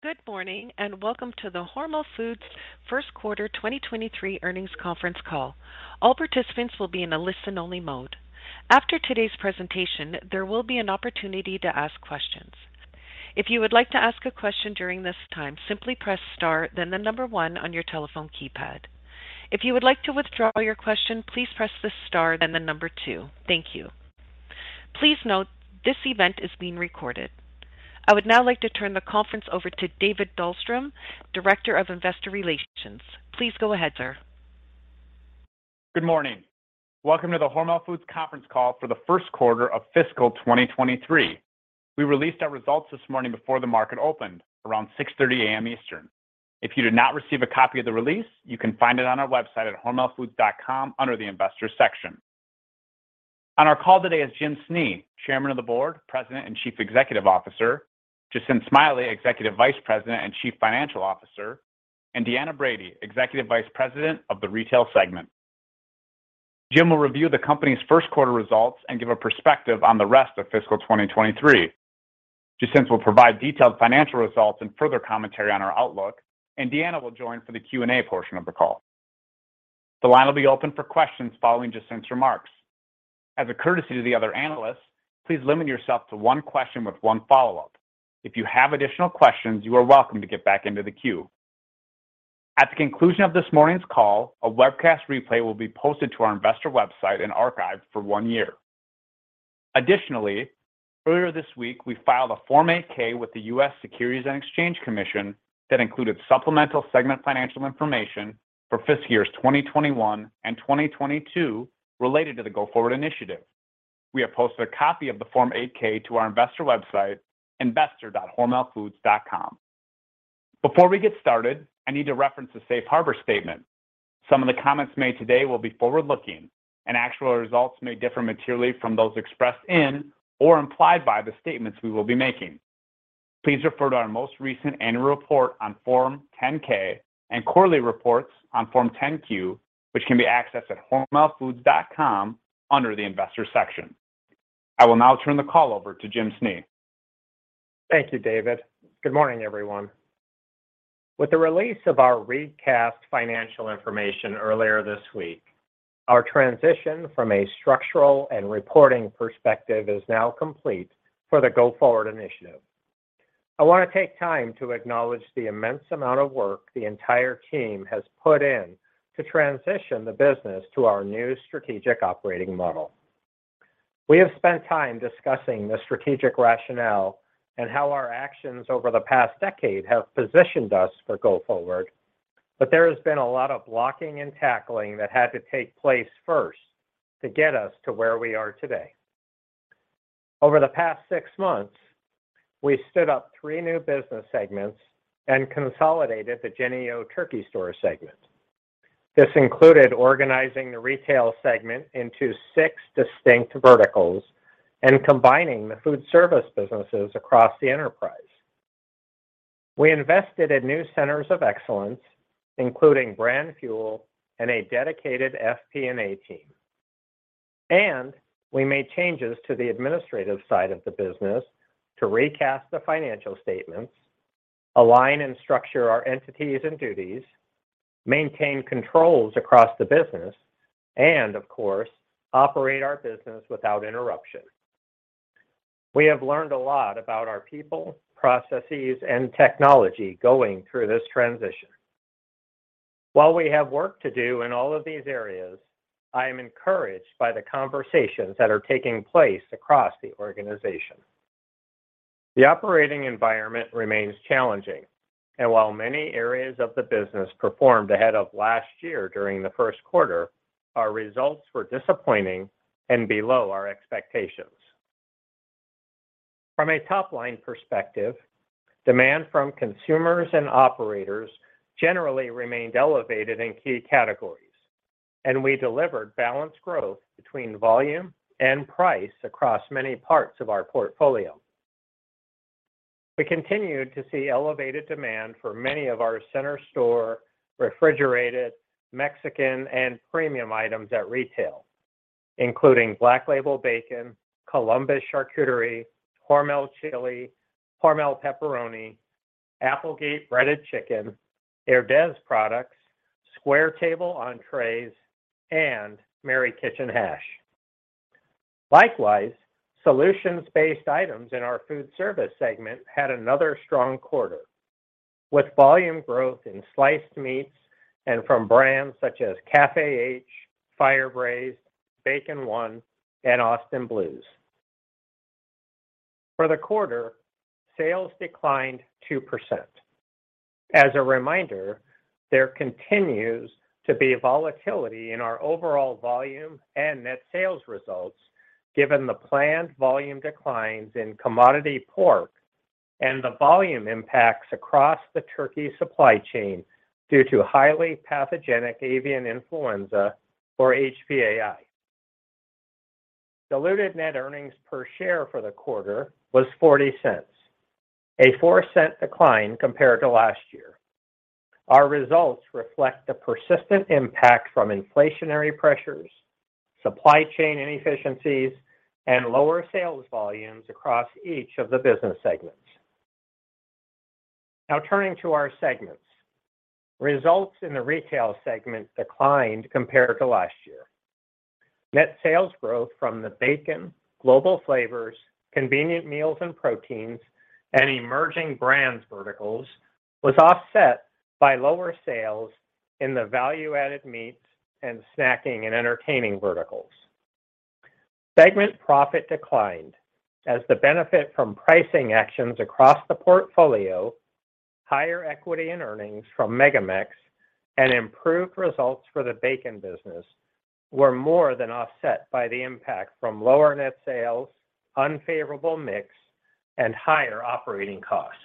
Good morning, and welcome to the Hormel Foods First Quarter 2023 Earnings Conference Call. All participants will be in a listen-only mode. After today's presentation, there will be an opportunity to ask questions. If you would like to ask a question during this time, simply press star then one on your telephone keypad. If you would like to withdraw your question, please press the star then two. Thank you. Please note this event is being recorded. I would now like to turn the conference over to David Dahlstrom, Director of Investor Relations. Please go ahead, sir. Good morning. Welcome to the Hormel Foods conference call for the first quarter of fiscal 2023. We released our results this morning before the market opened, around 6:30 A.M. Eastern Time. If you did not receive a copy of the release, you can find it on our website at hormelfoods.com under the Investor section. On our call today is Jim Snee, Chairman of the Board, President, and Chief Executive Officer, Jacinth Smiley, Executive Vice President and Chief Financial Officer, Deanna Brady, Executive Vice President of the Retail segment. Jim will review the company's first quarter results and give a perspective on the rest of fiscal 2023. Jacinth will provide detailed financial results and further commentary on our outlook. Deanna will join for the Q&A portion of the call. The line will be open for questions following Jacinth's remarks. As a courtesy to the other analysts, please limit yourself to one question with one follow-up. If you have additional questions, you are welcome to get back into the queue. At the conclusion of this morning's call, a webcast replay will be posted to our investor website and archived for one year. Earlier this week, we filed a Form 8-K with the U.S. Securities and Exchange Commission that included supplemental segment financial information for fiscal years 2021 and 2022 related to the Go Forward initiative. We have posted a copy of the Form 8-K to our investor website, investor.hormelfoods.com. Before we get started, I need to reference the Safe Harbor statement. Some of the comments made today will be forward-looking and actual results may differ materially from those expressed in or implied by the statements we will be making. Please refer to our most recent annual report on Form 10-K and quarterly reports on Form 10-Q, which can be accessed at hormelfoods.com under the Investor section. I will now turn the call over to Jim Snee. Thank you, David. Good morning, everyone. With the release of our recast financial information earlier this week, our transition from a structural and reporting perspective is now complete for the Go Forward initiative. I want to take time to acknowledge the immense amount of work the entire team has put in to transition the business to our new strategic operating model. We have spent time discussing the strategic rationale and how our actions over the past decade have positioned us for Go Forward, but there has been a lot of blocking and tackling that had to take place first to get us to where we are today. Over the past six months, we stood up three new business segments and consolidated the Jennie-O Turkey Store segment. This included organizing the retail segment into six distinct verticals and combining the foodservice businesses across the enterprise. We invested in new centers of excellence, including Brand Fuel and a dedicated FP&A team. We made changes to the administrative side of the business to recast the financial statements, align and structure our entities and duties, maintain controls across the business, and of course, operate our business without interruption. We have learned a lot about our people, processes, and technology going through this transition. While we have work to do in all of these areas, I am encouraged by the conversations that are taking place across the organization. The operating environment remains challenging, and while many areas of the business performed ahead of last year during the first quarter, our results were disappointing and below our expectations. From a top-line perspective, demand from consumers and operators generally remained elevated in key categories, and we delivered balanced growth between volume and price across many parts of our portfolio. We continued to see elevated demand for many of our center store, refrigerated, Mexican, and premium items at retail, including Black Label Bacon, Columbus charcuterie, Hormel Chili, Hormel Pepperoni, Applegate breaded chicken, HERDEZ products, SQUARE TABLE entrees, and MARY KITCHEN hash. Likewise, solutions-based items in our foodservice segment had another strong quarter, with volume growth in sliced meats and from brands such as CAFÉ H, Fire Braised, Bacon 1, and Austin Blues. For the quarter, sales declined 2%. As a reminder, there continues to be volatility in our overall volume and net sales results given the planned volume declines in commodity pork and the volume impacts across the turkey supply chain due to highly pathogenic avian influenza, or HPAI. Diluted net earnings per share for the quarter was $0.40, a $0.04 decline compared to last year. Our results reflect the persistent impact from inflationary pressures, supply chain inefficiencies, and lower sales volumes across each of the business segments. Now turning to our segments. Results in the retail segment declined compared to last year. Net sales growth from the bacon, global flavors, convenient meals and proteins, and emerging brands verticals was offset by lower sales in the value-added meats and snacking and entertaining verticals. Segment profit declined as the benefit from pricing actions across the portfolio, higher equity in earnings from MegaMex, and improved results for the bacon business were more than offset by the impact from lower net sales, unfavorable mix, and higher operating costs.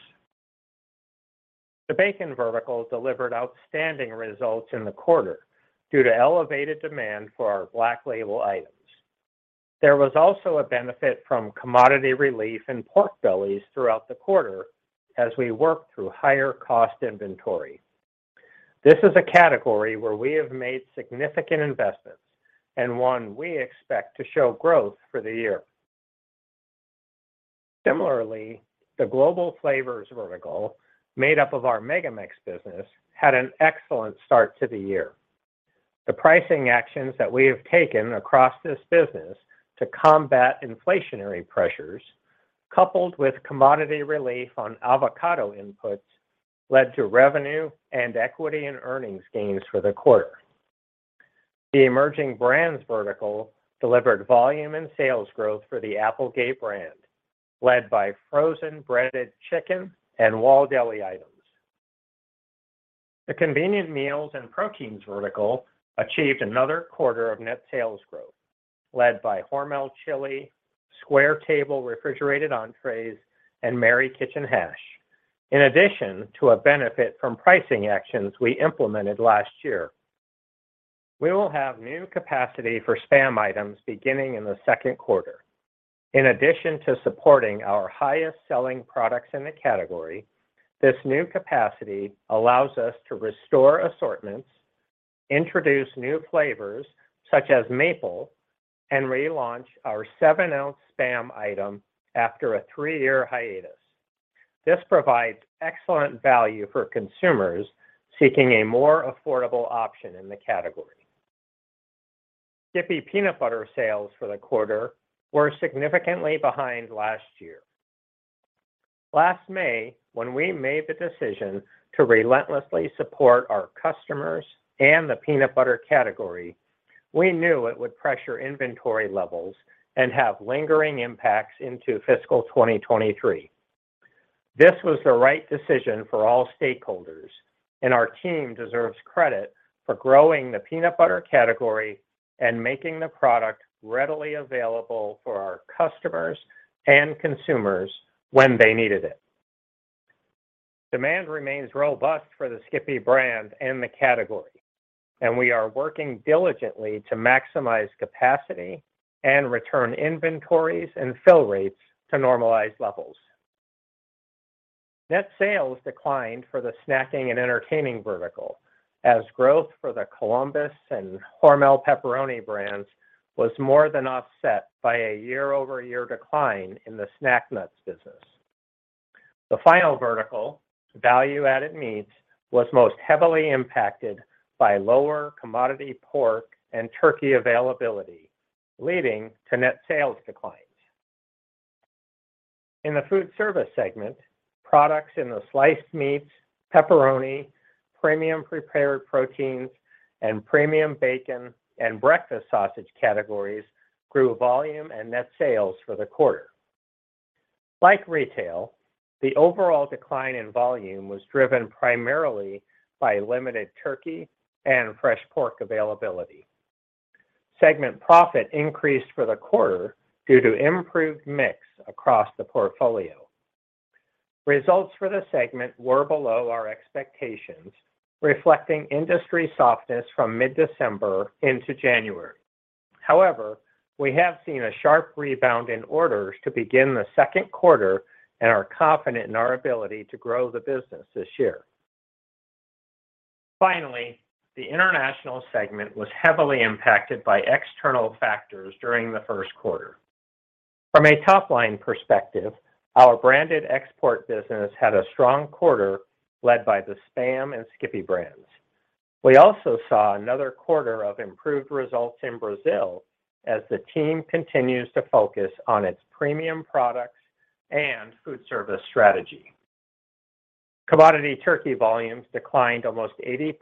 The bacon vertical delivered outstanding results in the quarter due to elevated demand for our Black Label items. There was also a benefit from commodity relief in pork bellies throughout the quarter as we worked through higher cost inventory. This is a category where we have made significant investments and one we expect to show growth for the year. Similarly, the global flavors vertical, made up of our MegaMex business, had an excellent start to the year. The pricing actions that we have taken across this business to combat inflationary pressures, coupled with commodity relief on avocado inputs, led to revenue and equity and earnings gains for the quarter. The emerging brands vertical delivered volume and sales growth for the Applegate brand, led by frozen breaded chicken and wall deli items. The convenient meals and proteins vertical achieved another quarter of net sales growth led by Hormel Chili, SQUARE TABLE refrigerated entrees, and MARY KITCHEN hash. In addition to a benefit from pricing actions we implemented last year, we will have new capacity for SPAM items beginning in the second quarter. In addition to supporting our highest selling products in the category, this new capacity allows us to restore assortments, introduce new flavors such as maple, and relaunch our 7-oz SPAM item after a three-year hiatus. This provides excellent value for consumers seeking a more affordable option in the category. SKIPPY Peanut Butter sales for the quarter were significantly behind last year. Last May, when we made the decision to relentlessly support our customers and the peanut butter category, we knew it would pressure inventory levels and have lingering impacts into fiscal 2023. This was the right decision for all stakeholders, and our team deserves credit for growing the peanut butter category and making the product readily available for our customers and consumers when they needed it. Demand remains robust for the SKIPPY brand and the category, and we are working diligently to maximize capacity and return inventories and fill rates to normalized levels. Net sales declined for the snacking and entertaining vertical as growth for the Columbus and Hormel Pepperoni brands was more than offset by a year-over-year decline in the snack nuts business. The final vertical, value-added meats, was most heavily impacted by lower commodity pork and turkey availability, leading to net sales declines. In the food service segment, products in the sliced meats, pepperoni, premium prepared proteins, and premium bacon and breakfast sausage categories grew volume and net sales for the quarter. Like retail, the overall decline in volume was driven primarily by limited turkey and fresh pork availability. Segment profit increased for the quarter due to improved mix across the portfolio. Results for the segment were below our expectations, reflecting industry softness from mid-December into January. However, we have seen a sharp rebound in orders to begin the second quarter and are confident in our ability to grow the business this year. Finally, the international segment was heavily impacted by external factors during the first quarter. From a top-line perspective, our branded export business had a strong quarter led by the SPAM and SKIPPY brands. We also saw another quarter of improved results in Brazil as the team continues to focus on its premium products and food service strategy. Commodity turkey volumes declined almost 80%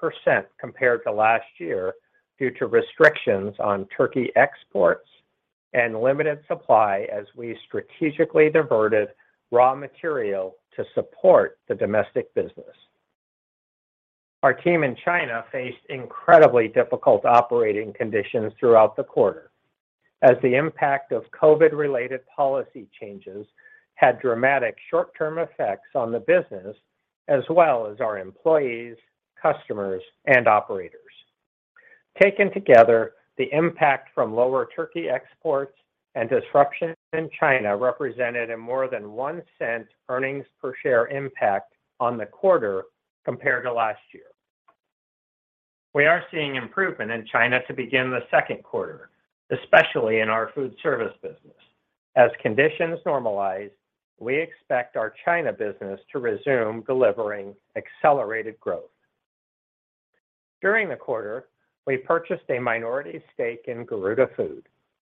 compared to last year due to restrictions on turkey exports and limited supply as we strategically diverted raw material to support the domestic business. Our team in China faced incredibly difficult operating conditions throughout the quarter as the impact of COVID-related policy changes had dramatic short-term effects on the business as well as our employees, customers, and operators. Taken together, the impact from lower turkey exports and disruption in China represented a more than $0.01 earnings per share impact on the quarter compared to last year. We are seeing improvement in China to begin the second quarter, especially in our foodservice business. As conditions normalize, we expect our China business to resume delivering accelerated growth. During the quarter, we purchased a minority stake in Garudafood,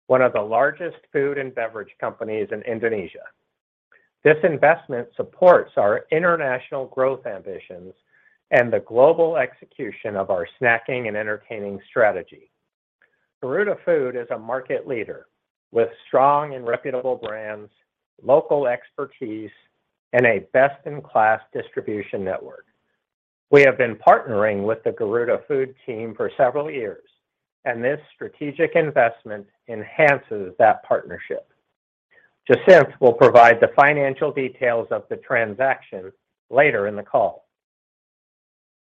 one of the largest food and beverage companies in Indonesia. This investment supports our international growth ambitions and the global execution of our snacking and entertaining strategy. Garudafood is a market leader with strong and reputable brands, local expertise, and a best-in-class distribution network. We have been partnering with the Garudafood team for several years, and this strategic investment enhances that partnership. Jacinth will provide the financial details of the transaction later in the call.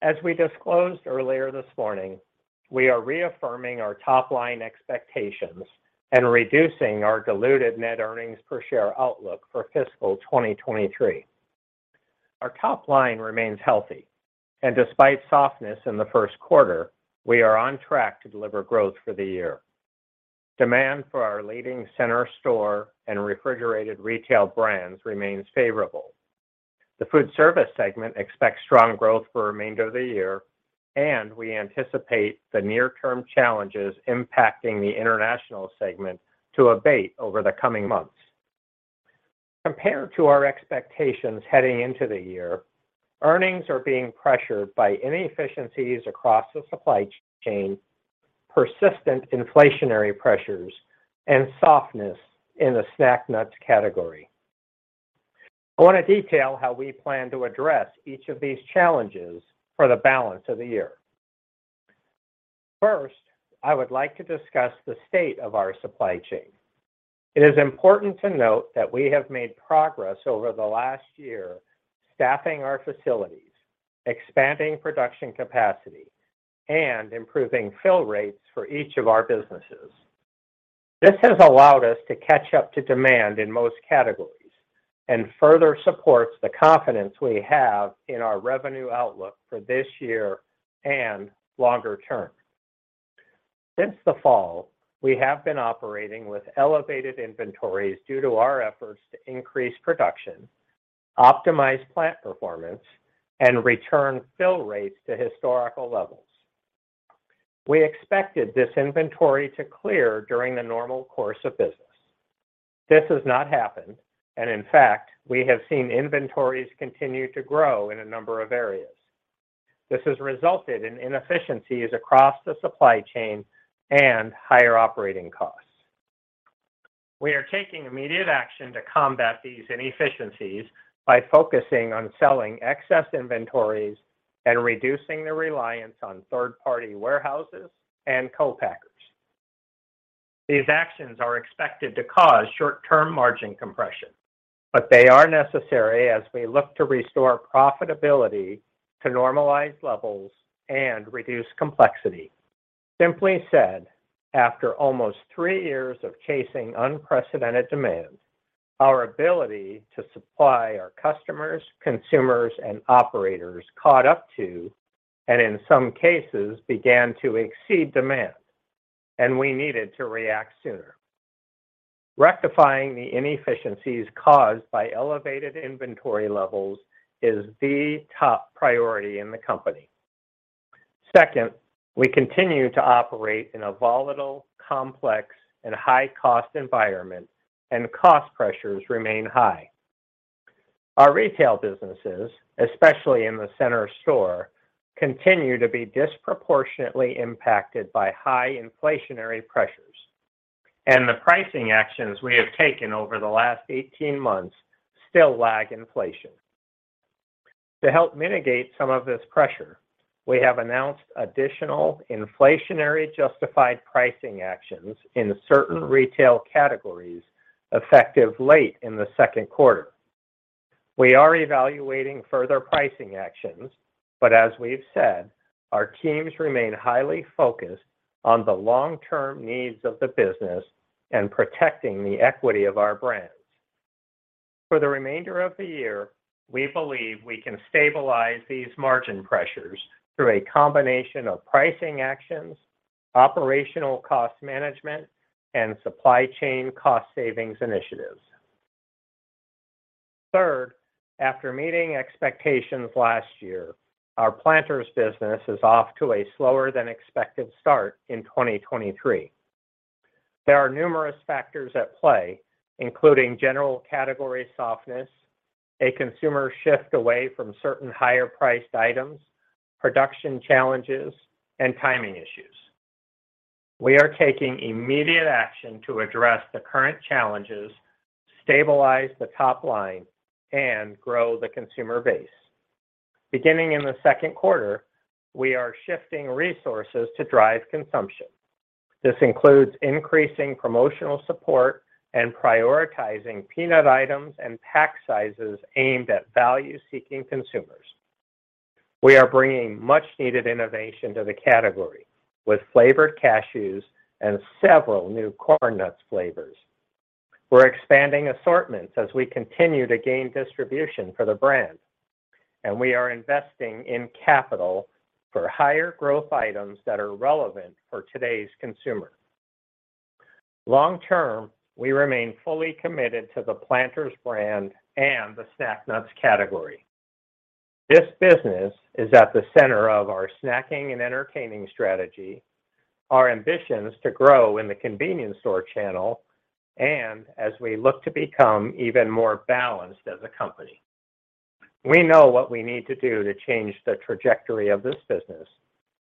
As we disclosed earlier this morning, we are reaffirming our top-line expectations and reducing our diluted net earnings per share outlook for fiscal 2023. Our top line remains healthy, and despite softness in the first quarter, we are on track to deliver growth for the year. Demand for our leading center store and refrigerated retail brands remains favorable. The foodservice segment expects strong growth for remainder of the year, and we anticipate the near term challenges impacting the International segment to abate over the coming months. Compared to our expectations heading into the year, earnings are being pressured by inefficiencies across the supply chain, persistent inflationary pressures, and softness in the snack nuts category. I want to detail how we plan to address each of these challenges for the balance of the year. First, I would like to discuss the state of our supply chain. It is important to note that we have made progress over the last year staffing our facilities, expanding production capacity, and improving fill rates for each of our businesses. This has allowed us to catch up to demand in most categories and further supports the confidence we have in our revenue outlook for this year and longer term. Since the fall, we have been operating with elevated inventories due to our efforts to increase production, optimize plant performance, and return fill rates to historical levels. We expected this inventory to clear during the normal course of business. This has not happened, and in fact, we have seen inventories continue to grow in a number of areas. This has resulted in inefficiencies across the supply chain and higher operating costs. We are taking immediate action to combat these inefficiencies by focusing on selling excess inventories and reducing the reliance on third-party warehouses and co-packers. These actions are expected to cause short-term margin compression, but they are necessary as we look to restore profitability to normalized levels and reduce complexity. Simply said, after almost three years of chasing unprecedented demand, our ability to supply our customers, consumers, and operators caught up to, and in some cases, began to exceed demand, and we needed to react sooner. Rectifying the inefficiencies caused by elevated inventory levels is the top priority in the company. Second, we continue to operate in a volatile, complex, and high-cost environment, and cost pressures remain high. Our retail businesses, especially in the center store, continue to be disproportionately impacted by high inflationary pressures, and the pricing actions we have taken over the last 18 months still lag inflation. To help mitigate some of this pressure, we have announced additional inflationary justified pricing actions in certain retail categories effective late in the second quarter. We are evaluating further pricing actions. As we've said, our teams remain highly focused on the long-term needs of the business and protecting the equity of our brands. For the remainder of the year, we believe we can stabilize these margin pressures through a combination of pricing actions, operational cost management, and supply chain cost savings initiatives. Third, after meeting expectations last year, our PLANTERS business is off to a slower than expected start in 2023. There are numerous factors at play, including general category softness, a consumer shift away from certain higher priced items, production challenges, and timing issues. We are taking immediate action to address the current challenges, stabilize the top line, and grow the consumer base. Beginning in the second quarter, we are shifting resources to drive consumption. This includes increasing promotional support and prioritizing peanut items and pack sizes aimed at value-seeking consumers. We are bringing much needed innovation to the category with flavored cashews and several new CORN NUTS flavors. We're expanding assortments as we continue to gain distribution for the brand, and we are investing in capital for higher growth items that are relevant for today's consumer. Long term, we remain fully committed to the PLANTERS brand and the snack nuts category. This business is at the center of our snacking and entertaining strategy, our ambitions to grow in the convenience store channel, and as we look to become even more balanced as a company. We know what we need to do to change the trajectory of this business,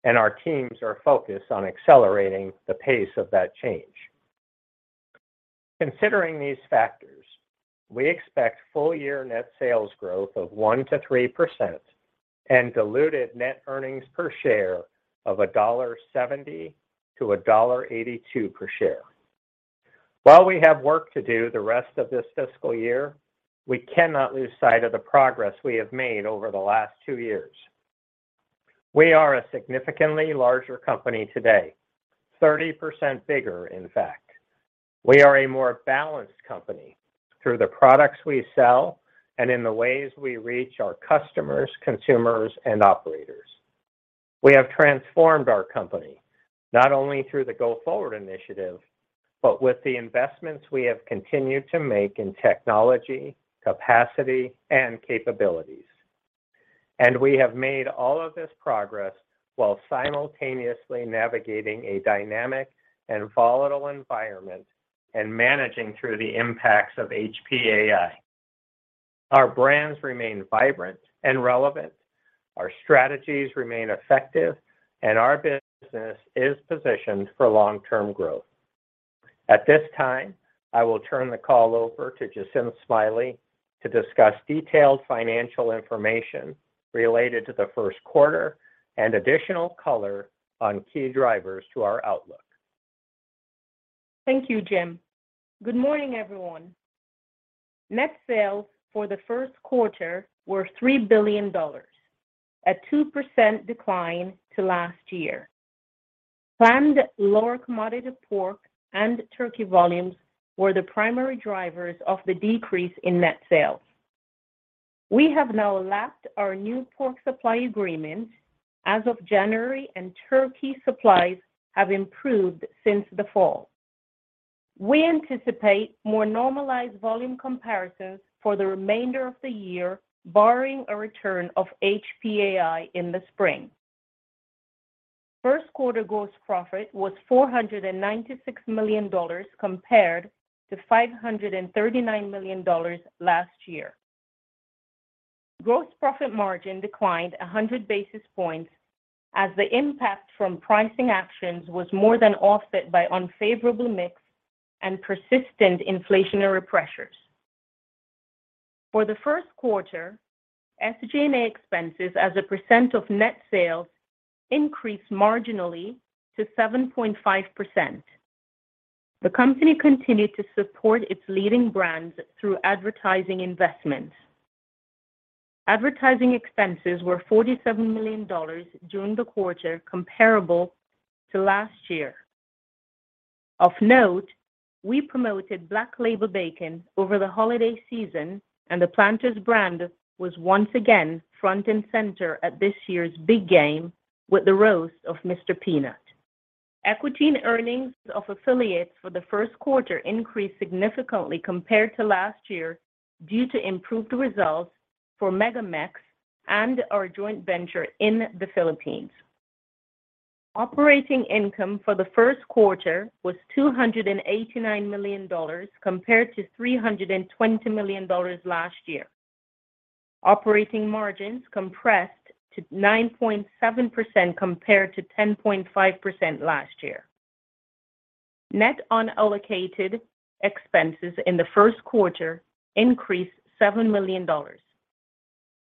and our teams are focused on accelerating the pace of that change. Considering these factors, we expect full year net sales growth of 1%-3% and diluted net earnings per share of $1.70-$1.82 per share. While we have work to do the rest of this fiscal year, we cannot lose sight of the progress we have made over the last two years. We are a significantly larger company today, 30% bigger, in fact. We are a more balanced company through the products we sell and in the ways we reach our customers, consumers, and operators. We have transformed our company not only through the Go Forward initiative, but with the investments we have continued to make in technology, capacity and capabilities. We have made all of this progress while simultaneously navigating a dynamic and volatile environment and managing through the impacts of HPAI. Our brands remain vibrant and relevant, our strategies remain effective, and our business is positioned for long term growth. At this time, I will turn the call over to Jacinth Smiley to discuss detailed financial information related to the first quarter and additional color on key drivers to our outlook. Thank you, Jim. Good morning, everyone. Net sales for the first quarter were $3 billion, a 2% decline to last year. Planned lower commodity pork and turkey volumes were the primary drivers of the decrease in net sales. We have now lapped our new pork supply agreement as of January, and turkey supplies have improved since the fall. We anticipate more normalized volume comparisons for the remainder of the year, barring a return of HPAI in the spring. First quarter gross profit was $496 million compared to $539 million last year. Gross profit margin declined 100 basis points as the impact from pricing actions was more than offset by unfavorable mix and persistent inflationary pressures. For the first quarter, SG&A expenses as a percent of net sales increased marginally to 7.5%. The company continued to support its leading brands through advertising investments. Advertising expenses were $47 million during the quarter comparable to last year. Of note, we promoted Black Label Bacon over the holiday season, and the PLANTERS brand was once again front and center at this year's big game with the roast of Mr. Peanut. Equity and earnings of affiliates for the first quarter increased significantly compared to last year due to improved results for MegaMex and our joint venture in the Philippines. Operating income for the first quarter was $289 million compared to $320 million last year. Operating margins compressed to 9.7% compared to 10.5% last year. Net unallocated expenses in the first quarter increased $7 million.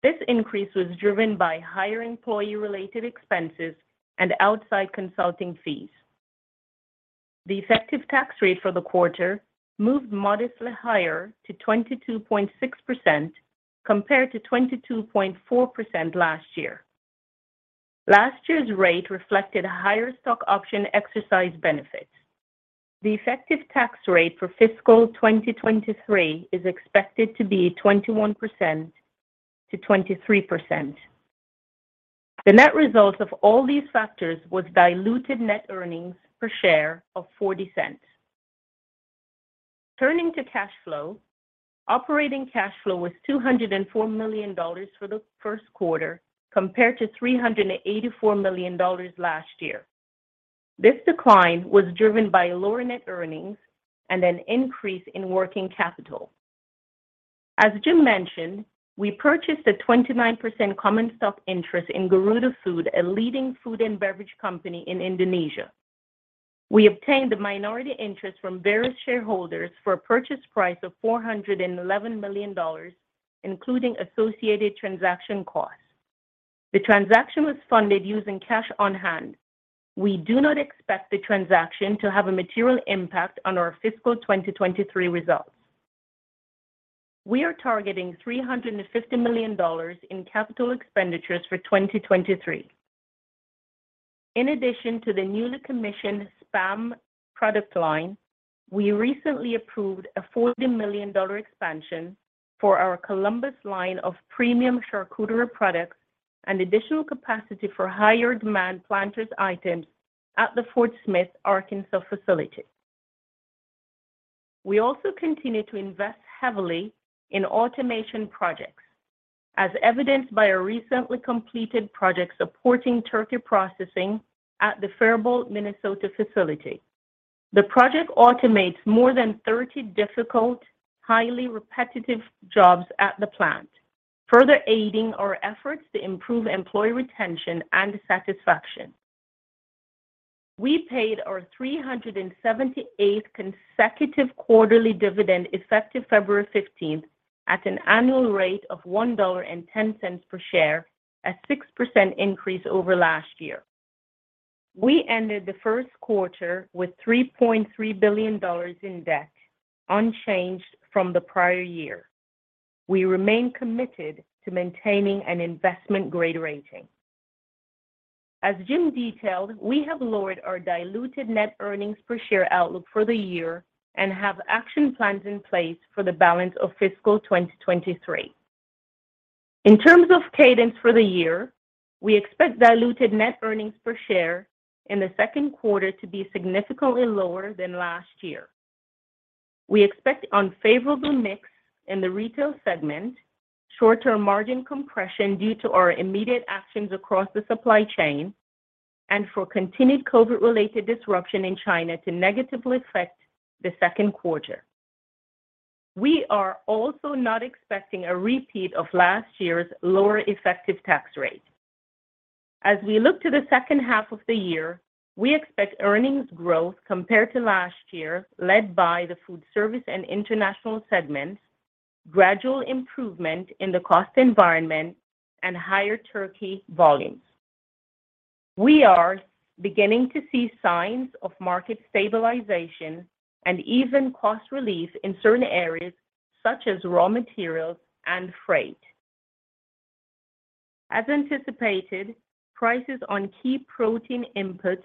This increase was driven by higher employee-related expenses and outside consulting fees. The effective tax rate for the quarter moved modestly higher to 22.6% compared to 22.4% last year. Last year's rate reflected higher stock option exercise benefit. The effective tax rate for fiscal 2023 is expected to be 21%-23%. The net result of all these factors was diluted net earnings per share of $0.40. Turning to cash flow, operating cash flow was $204 million for the first quarter compared to $384 million last year. This decline was driven by lower net earnings and an increase in working capital. As Jim mentioned, we purchased a 29% common stock interest in Garudafood, a leading food and beverage company in Indonesia. We obtained the minority interest from various shareholders for a purchase price of $411 million, including associated transaction costs. The transaction was funded using cash on hand. We do not expect the transaction to have a material impact on our fiscal 2023 results. We are targeting $350 million in capital expenditures for 2023. In addition to the newly commissioned SPAM product line, we recently approved a $40 million expansion for our Columbus line of premium charcuterie products and additional capacity for higher demand PLANTERS items at the Fort Smith, Arkansas facility. We also continue to invest heavily in automation projects, as evidenced by a recently completed project supporting turkey processing at the Faribault, Minnesota facility. The project automates more than 30 difficult, highly repetitive jobs at the plant, further aiding our efforts to improve employee retention and satisfaction. We paid our 378th consecutive quarterly dividend effective February 15th at an annual rate of $1.10 per share, a 6% increase over last year. We ended the first quarter with $3.3 billion in debt, unchanged from the prior year. We remain committed to maintaining an investment-grade rating. As Jim detailed, we have lowered our diluted net earnings per share outlook for the year and have action plans in place for the balance of fiscal 2023. In terms of cadence for the year, we expect diluted net earnings per share in the second quarter to be significantly lower than last year. We expect unfavorable mix in the retail segment, short-term margin compression due to our immediate actions across the supply chain, and for continued COVID-related disruption in China to negatively affect the second quarter. We are also not expecting a repeat of last year's lower effective tax rate. As we look to the second half of the year, we expect earnings growth compared to last year, led by the foodservice and international segments, gradual improvement in the cost environment, and higher turkey volumes. We are beginning to see signs of market stabilization and even cost relief in certain areas such as raw materials and freight. As anticipated, prices on key protein inputs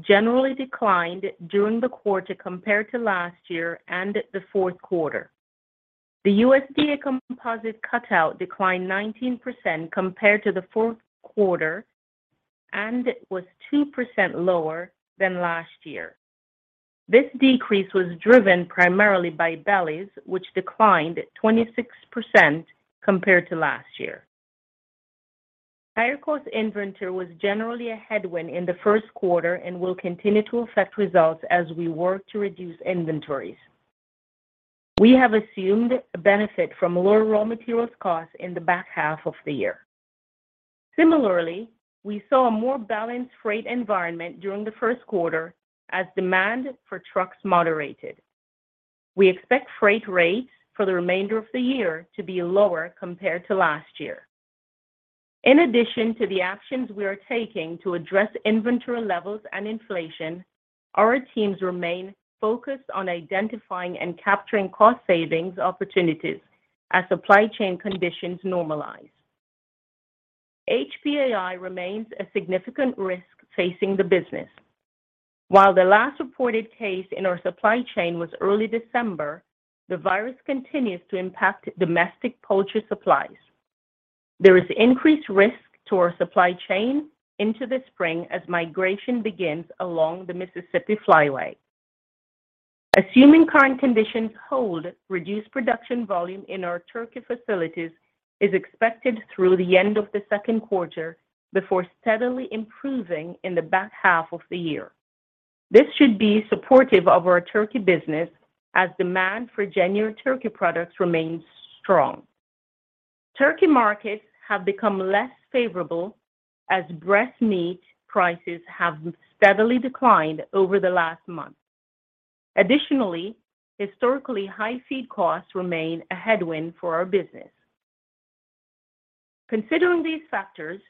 generally declined during the quarter compared to last year and the fourth quarter. The USDA composite cutout declined 19% compared to the fourth quarter and was 2% lower than last year. This decrease was driven primarily by bellies, which declined 26% compared to last year. Higher cost inventory was generally a headwind in the first quarter and will continue to affect results as we work to reduce inventories. We have assumed a benefit from lower raw materials costs in the back half of the year. Similarly, we saw a more balanced freight environment during the first quarter as demand for trucks moderated. We expect freight rates for the remainder of the year to be lower compared to last year. In addition to the actions we are taking to address inventory levels and inflation, our teams remain focused on identifying and capturing cost savings opportunities as supply chain conditions normalize. HPAI remains a significant risk facing the business. While the last reported case in our supply chain was early December, the virus continues to impact domestic poultry supplies. There is increased risk to our supply chain into the spring as migration begins along the Mississippi Flyway. Assuming current conditions hold, reduced production volume in our turkey facilities is expected through the end of the second quarter before steadily improving in the back half of the year. This should be supportive of our turkey business as demand for Jennie-O turkey products remains strong. Turkey markets have become less favorable as breast meat prices have steadily declined over the last month. Additionally, historically high feed costs remain a headwind for our business. Considering these factors,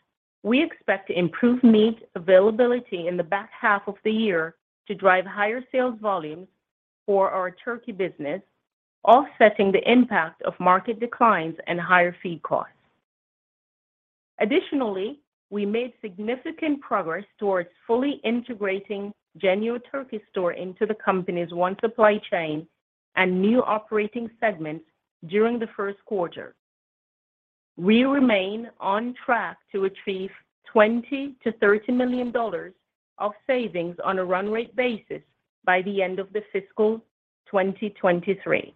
we expect improved meat availability in the back half of the year to drive higher sales volumes for our turkey business, offsetting the impact of market declines and higher feed costs. Additionally, we made significant progress towards fully integrating Jennie-O Turkey Store into the company's One Supply Chain and new operating segment during the first quarter. We remain on track to achieve $20 million-$30 million of savings on a run rate basis by the end of the fiscal 2023.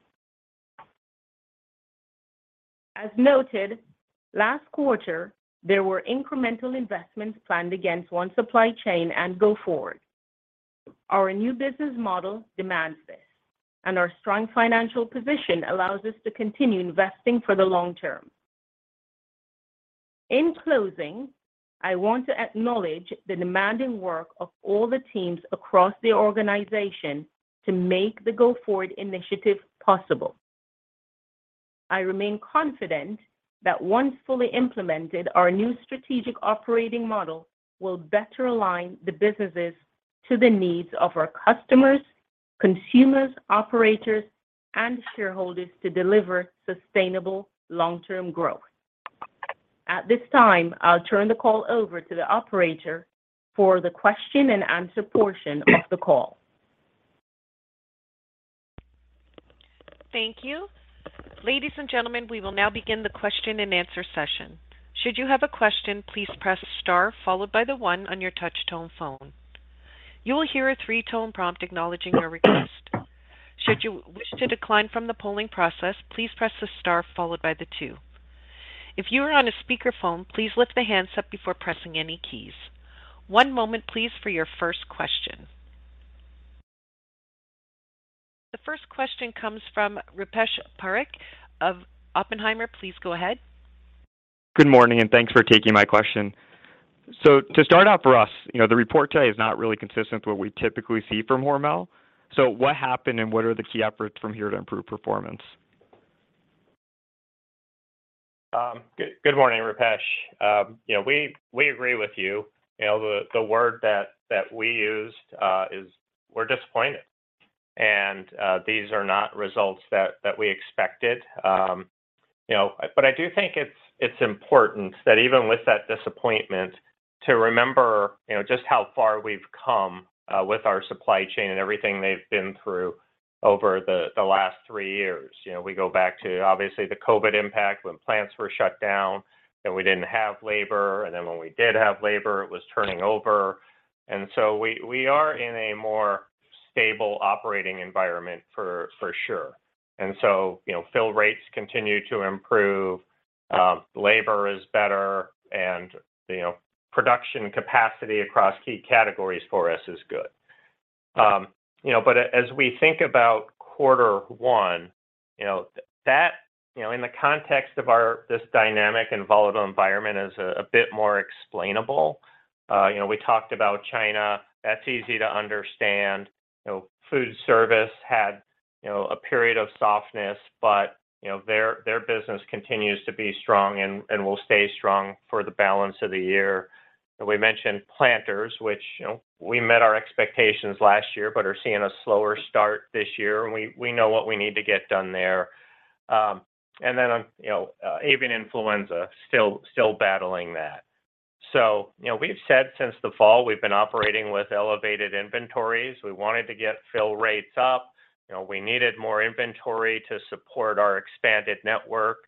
As noted, last quarter, there were incremental investments planned against One Supply Chain and Go Forward. Our new business model demands this, Our strong financial position allows us to continue investing for the long term. In closing, I want to acknowledge the demanding work of all the teams across the organization to make the Go Forward initiative possible. I remain confident that once fully implemented, our new strategic operating model will better align the businesses to the needs of our customers, consumers, operators, and shareholders to deliver sustainable long-term growth. At this time, I'll turn the call over to the operator for the question and answer portion of the call. Thank you. Ladies and gentlemen, we will now begin the question-and-answer session. Should you have a question, please press star followed by the one on your touch-tone phone. You will hear a three-tone prompt acknowledging your request. Should you wish to decline from the polling process, please press the star followed by the two. If you are on a speakerphone, please lift the handset before pressing any keys. One moment please for your first question. The first question comes from Rupesh Parikh of Oppenheimer. Please go ahead. Good morning, thanks for taking my question. To start out for us, you know, the report today is not really consistent with what we typically see from Hormel. What happened, what are the key efforts from here to improve performance? Good morning, Rupesh. You know, we agree with you. You know, the word that we used is we're disappointed, and these are not results that we expected. You know, I do think it's important that even with that disappointment to remember, you know, just how far we've come with our supply chain and everything they've been through over the last three years. You know, we go back to obviously the COVID impact when plants were shut down, and we didn't have labor, and then when we did have labor, it was turning over. We are in a more stable operating environment for sure. You know, fill rates continue to improve, labor is better, and, you know, production capacity across key categories for us is good. You know, but as we think about quarter one, you know, that, you know, in the context of this dynamic and volatile environment is a bit more explainable. You know, we talked about China. That's easy to understand. You know, food service had, you know, a period of softness, but, you know, their business continues to be strong and will stay strong for the balance of the year. We mentioned PLANTERS, which, you know, we met our expectations last year but are seeing a slower start this year, and we know what we need to get done there. On, you know, avian influenza, still battling that. You know, we've said since the fall we've been operating with elevated inventories. We wanted to get fill rates up. You know, we needed more inventory to support our expanded network.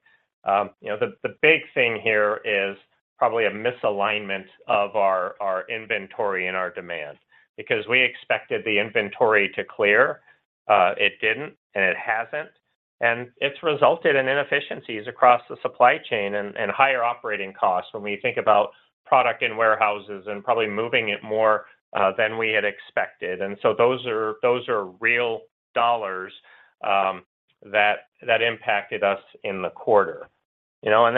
You know, the big thing here is probably a misalignment of our inventory and our demand because we expected the inventory to clear. It didn't, and it hasn't, and it's resulted in inefficiencies across the supply chain and higher operating costs when we think about product in warehouses and probably moving it more than we had expected. Those are real dollars that impacted us in the quarter. You know,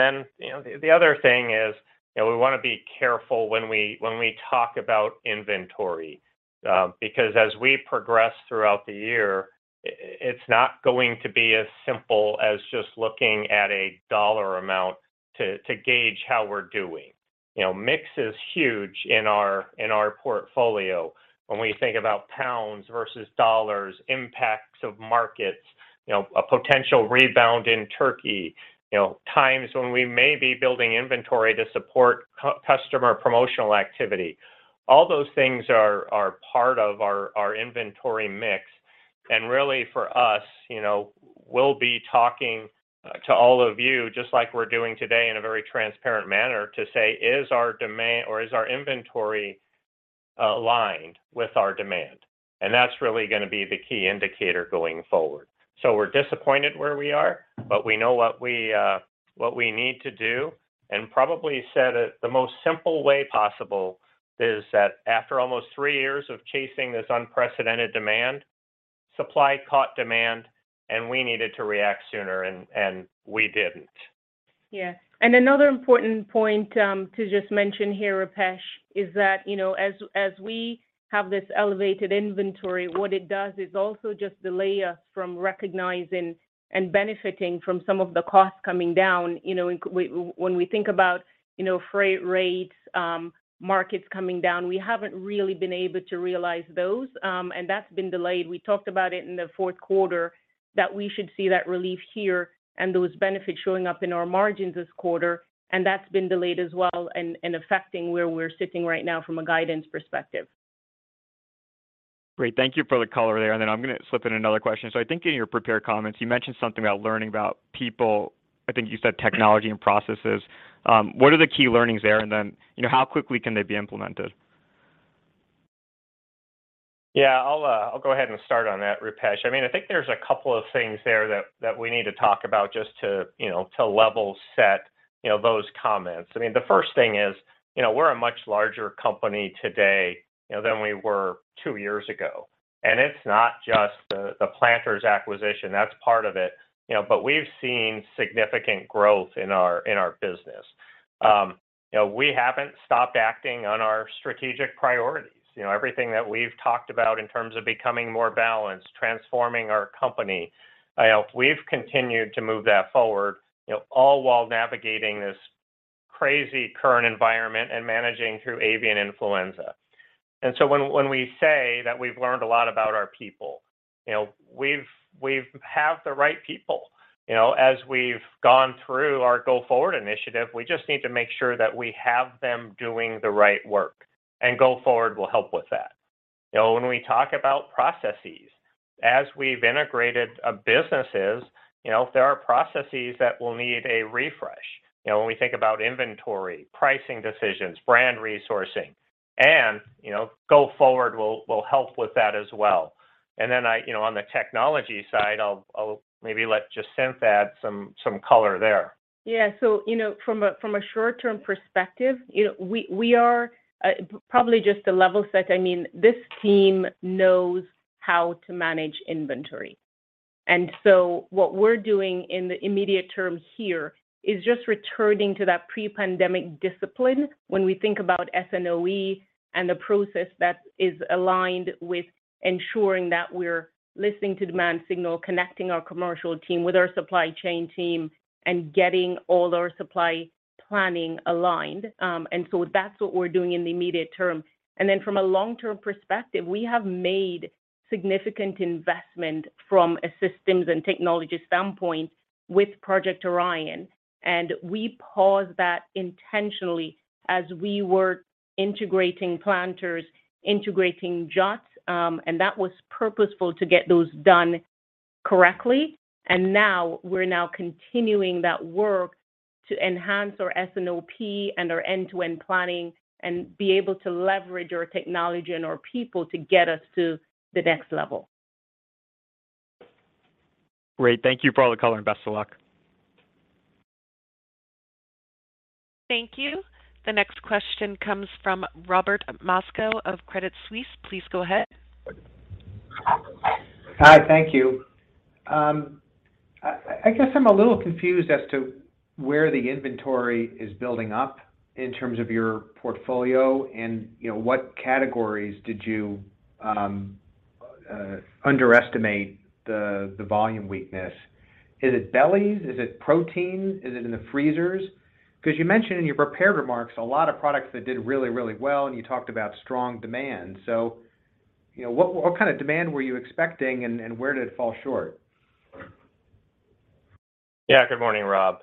the other thing is, you know, we wanna be careful when we talk about inventory. Because as we progress throughout the year, it's not going to be as simple as just looking at a dollar amount to gauge how we're doing. You know, mix is huge in our portfolio when we think about pounds versus dollars, impacts of markets, you know, a potential rebound in turkey. You know, times when we may be building inventory to support customer promotional activity. All those things are part of our inventory mix. Really for us, you know, we'll be talking to all of you, just like we're doing today in a very transparent manner, to say is our demand or is our inventory aligned with our demand? That's really gonna be the key indicator going forward. We're disappointed where we are, but we know what we need to do. Probably said it the most simple way possible is that after almost three years of chasing this unprecedented demand, supply caught demand, and we needed to react sooner and we didn't. Yes. Another important point, to just mention here, Rupesh, is that, you know, as we have this elevated inventory, what it does is also just delay us from recognizing and benefiting from some of the costs coming down. You know, when we think about, you know, freight rates, markets coming down, we haven't really been able to realize those, and that's been delayed. We talked about it in the fourth quarter that we should see that relief here and those benefits showing up in our margins this quarter, and that's been delayed as well and affecting where we're sitting right now from a guidance perspective. Great. Thank you for the color there. Then I'm gonna slip in another question. I think in your prepared comments you mentioned something about learning about people. I think you said technology and processes. What are the key learnings there and then, you know, how quickly can they be implemented? I'll go ahead and start on that, Rupesh. I mean, I think there's a couple of things there that we need to talk about just to, you know, to level set, you know, those comments. I mean, the first thing is, you know, we're a much larger company today, you know, than we were two years ago. It's not just the PLANTERS acquisition. That's part of it, you know, we've seen significant growth in our business. You know, we haven't stopped acting on our strategic priorities. You know, everything that we've talked about in terms of becoming more balanced, transforming our company, you know, we've continued to move that forward, you know, all while navigating this crazy current environment and managing through avian influenza. When we say that we've learned a lot about our people, you know, we've have the right people. You know, as we've gone through our Go Forward initiative, we just need to make sure that we have them doing the right work, and Go Forward will help with that. You know, when we talk about processes, as we've integrated businesses, you know, there are processes that will need a refresh. You know, when we think about inventory, pricing decisions, brand resourcing. You know, Go Forward will help with that as well. You know, on the technology side, I'll maybe let Jacinth add color there. Yeah. you know, from a short-term perspective, you know, we are probably just a level set. I mean, this team knows how to manage inventory. What we're doing in the immediate term here is just returning to that pre-pandemic discipline when we think about SG&A and the process that is aligned with ensuring that we're listening to demand signal, connecting our commercial team with our supply chain team, and getting all our supply planning aligned. That's what we're doing in the immediate term. From a long-term perspective, we have made significant investment from a systems and technology standpoint with Project Orion, and we paused that intentionally as we were integrating PLANTERS, integrating JOTS, and that was purposeful to get those done correctly. Now we're now continuing that work to enhance our S&OP and our end-to-end planning and be able to leverage our technology and our people to get us to the next level. Great. Thank you for all the color, and best of luck. Thank you. The next question comes from Robert Moskow of Credit Suisse. Please go ahead. Hi. Thank you. I guess I'm a little confused as to where the inventory is building up in terms of your portfolio and, you know, what categories did you underestimate the volume weakness. Is it bellies? Is it protein? Is it in the freezers? You mentioned in your prepared remarks a lot of products that did really well, and you talked about strong demand. You know, what kind of demand were you expecting and where did it fall short? Yeah. Good morning, Rob.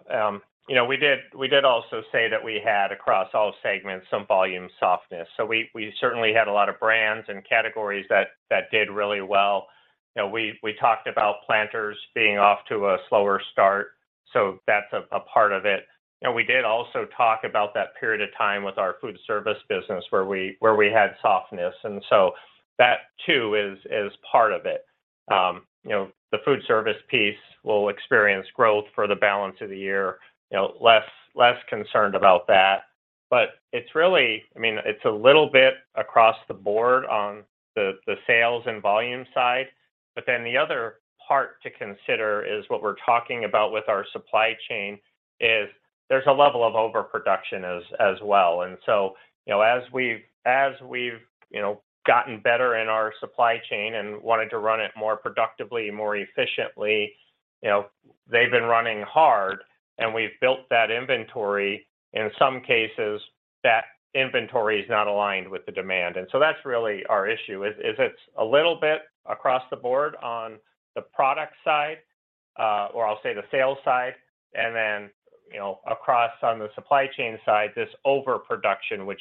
You know, we did also say that we had, across all segments, some volume softness. We certainly had a lot of brands and categories that did really well. You know, we talked about PLANTERS being off to a slower start, so that's a part of it. You know, we did also talk about that period of time with our food service business where we had softness. That too is part of it. You know, the food service piece will experience growth for the balance of the year, you know, less concerned about that. It's really... I mean, it's a little bit across the board on the sales and volume side. The other part to consider is what we're talking about with our supply chain is there's a level of overproduction as well. You know, as we've, you know, gotten better in our supply chain and wanted to run it more productively, more efficiently, you know, they've been running hard, and we've built that inventory. In some cases, that inventory is not aligned with the demand. That's really our issue is it's a little bit across the board on the product side, or I'll say the sales side, and then, you know, across on the supply chain side, this overproduction, which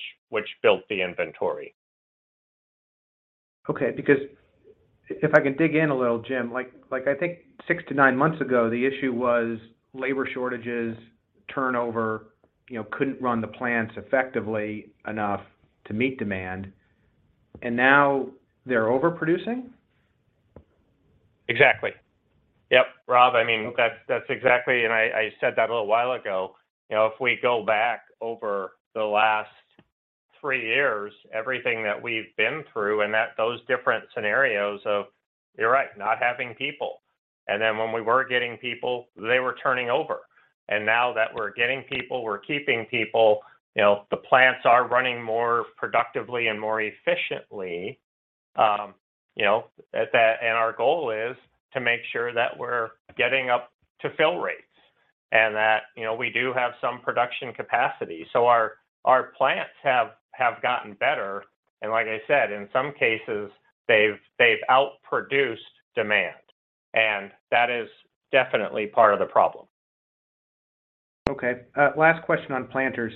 built the inventory. Okay, because if I can dig in a little, Jim, like, I think six to nine months ago, the issue was labor shortages, turnover, you know, couldn't run the plants effectively enough to meet demand, and now they're overproducing? Exactly. Yep. Rob, I mean, that's exactly. I said that a little while ago. You know, if we go back over the last three years, everything that we've been through and those different scenarios of, you're right, not having people, and then when we were getting people, they were turning over. Now that we're getting people, we're keeping people, you know, the plants are running more productively and more efficiently, you know, at that. Our goal is to make sure that we're getting up to fill rates and that, you know, we do have some production capacity. Our plants have gotten better, and like I said, in some cases they've outproduced demand, and that is definitely part of the problem. Okay. Last question on PLANTERS.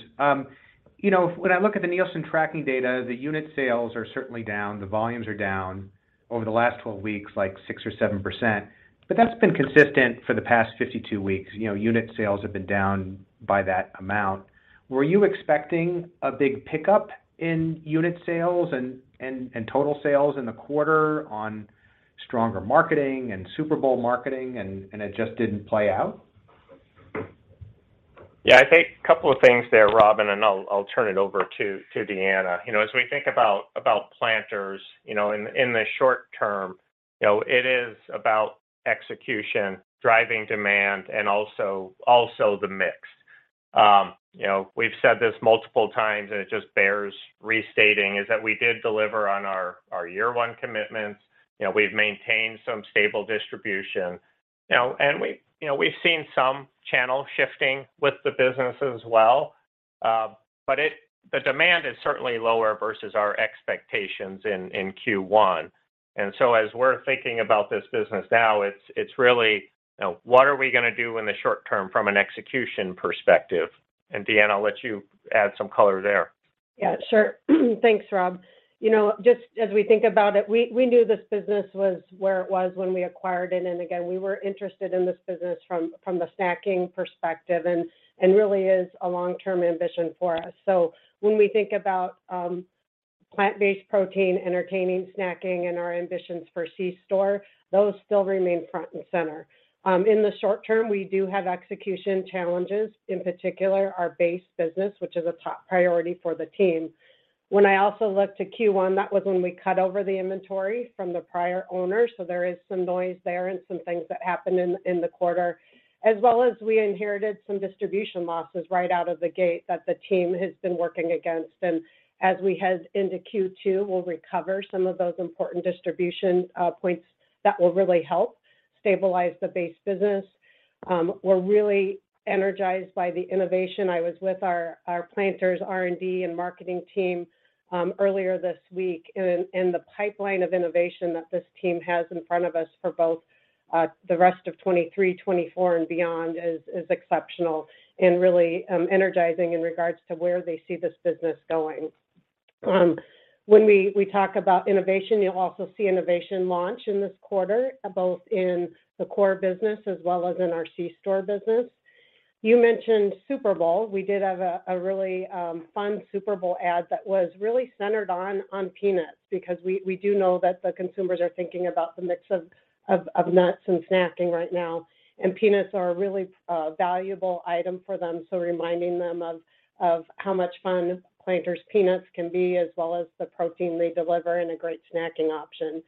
You know, when I look at the Nielsen tracking data, the unit sales are certainly down. The volumes are down over the last 12 weeks, like 6% or 7%, but that's been consistent for the past 52 weeks. You know, unit sales have been down by that amount. Were you expecting a big pickup in unit sales and total sales in the quarter on stronger marketing and Super Bowl marketing and it just didn't play out? Yeah. I think couple of things there, Rob, and then I'll turn it over to Deanna. You know, as we think about PLANTERS, you know, in the short term. You know, it is about execution, driving demand, and also the mix. You know, we've said this multiple times, and it just bears restating, is that we did deliver on our year-one commitments. You know, we've maintained some stable distribution. You know, we've seen some channel shifting with the business as well. The demand is certainly lower versus our expectations in Q1. As we're thinking about this business now, it's really, you know, what are we gonna do in the short term from an execution perspective? Deanna, I'll let you add some color there. Yeah, sure. Thanks, Rob. You know, just as we think about it, we knew this business was where it was when we acquired it. Again, we were interested in this business from the snacking perspective and really is a long-term ambition for us. When we think about plant-based protein, entertaining, snacking, and our ambitions for C-store, those still remain front and center. In the short term, we do have execution challenges, in particular our base business, which is a top priority for the team. When I also looked to Q1, that was when we cut over the inventory from the prior owner, so there is some noise there and some things that happened in the quarter. As well as we inherited some distribution losses right out of the gate that the team has been working against. As we head into Q2, we'll recover some of those important distribution points that will really help stabilize the base business. We're really energized by the innovation. I was with our PLANTERS R&D and marketing team earlier this week, and the pipeline of innovation that this team has in front of us for both the rest of 2023, 2024, and beyond is exceptional and really energizing in regards to where they see this business going. When we talk about innovation, you'll also see innovation launch in this quarter, both in the core business as well as in our C-store business. You mentioned Super Bowl. We did have a really fun Super Bowl ad that was really centered on peanuts because we do know that the consumers are thinking about the mix of nuts and snacking right now. Peanuts are a really valuable item for them, so reminding them of how much fun PLANTERS peanuts can be as well as the protein they deliver and a great snacking option.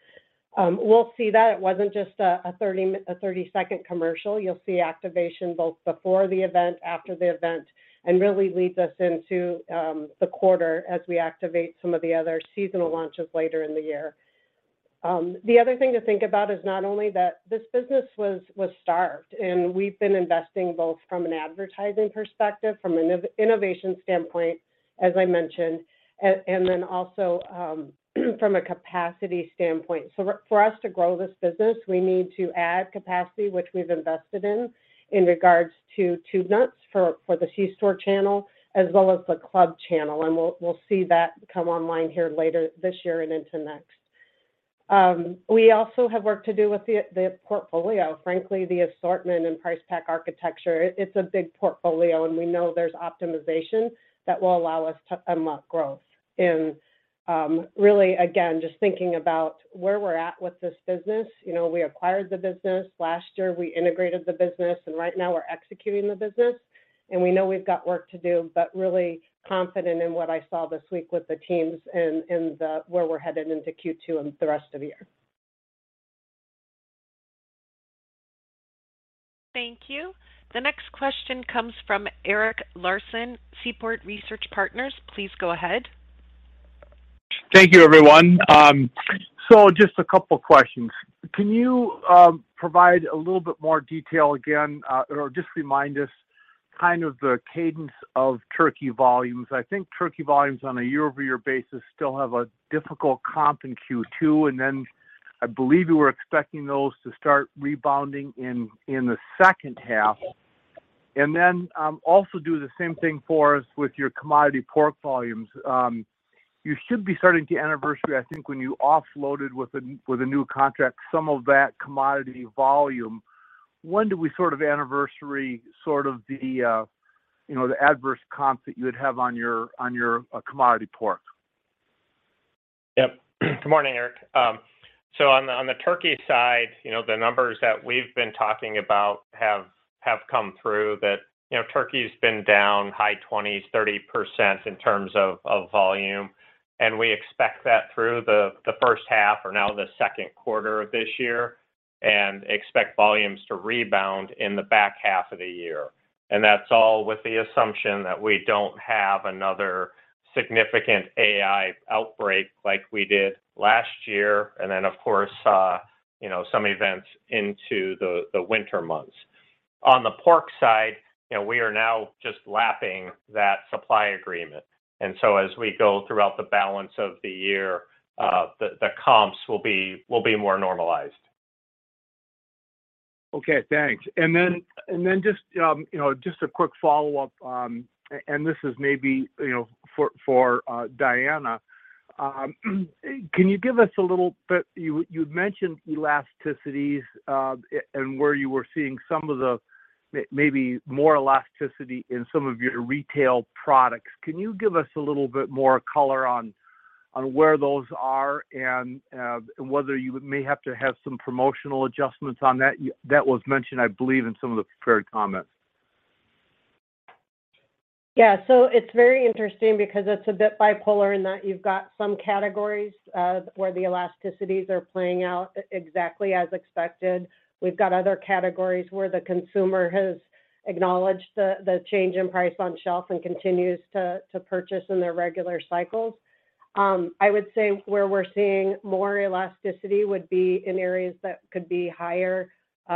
We'll see that it wasn't just a 30-second commercial. You'll see activation both before the event, after the event, and really leads us into the quarter as we activate some of the other seasonal launches later in the year. The other thing to think about is not only that this business was starved, and we've been investing both from an advertising perspective, from an innovation standpoint, as I mentioned, and then also from a capacity standpoint. For us to grow this business, we need to add capacity, which we've invested in regards to tube nuts for the C-store channel as well as the club channel. We'll see that come online here later this year and into next. We also have work to do with the portfolio. Frankly, the assortment and price pack architecture, it's a big portfolio, and we know there's optimization that will allow us to unlock growth. Really again, just thinking about where we're at with this business. You know, we acquired the business last year, we integrated the business, and right now we're executing the business. We know we've got work to do, but really confident in what I saw this week with the teams where we're headed into Q2 and the rest of the year. Thank you. The next question comes from Eric Larson, Seaport Research Partners. Please go ahead. Thank you, everyone. Just a couple of questions. Can you provide a little bit more detail again, or just remind us kind of the cadence of turkey volumes? I think turkey volumes on a year-over-year basis still have a difficult comp in Q2. I believe you were expecting those to start rebounding in the second half. Also do the same thing for us with your commodity pork volumes. You should be starting to anniversary, I think, when you offloaded with a new contract some of that commodity volume. When do we sort of anniversary sort of the, you know, the adverse comps that you would have on your commodity pork? Yep. Good morning, Eric. On the turkey side, you know, the numbers that we've been talking about have come through that, you know, turkey's been down high 20s, 30% in terms of volume. We expect that through the first half or now the second quarter of this year and expect volumes to rebound in the back half of the year. That's all with the assumption that we don't have another significant AI outbreak like we did last year. Of course, you know, some events into the winter months. On the pork side, you know, we are now just lapping that supply agreement. As we go throughout the balance of the year, the comps will be more normalized. Okay, thanks. Then just, you know, just a quick follow-up, and this is maybe, you know, for Deanna. You'd mentioned elasticities, and where you were seeing some of the maybe more elasticity in some of your retail products. Can you give us a little bit more color on where those are and whether you may have to have some promotional adjustments on that? That was mentioned, I believe, in some of the prepared comments. It's very interesting because it's a bit bipolar in that you've got some categories where the elasticities are playing out exactly as expected. We've got other categories where the consumer has acknowledged the change in price on shelf and continues to purchase in their regular cycles. I would say where we're seeing more elasticity would be in areas that could be higher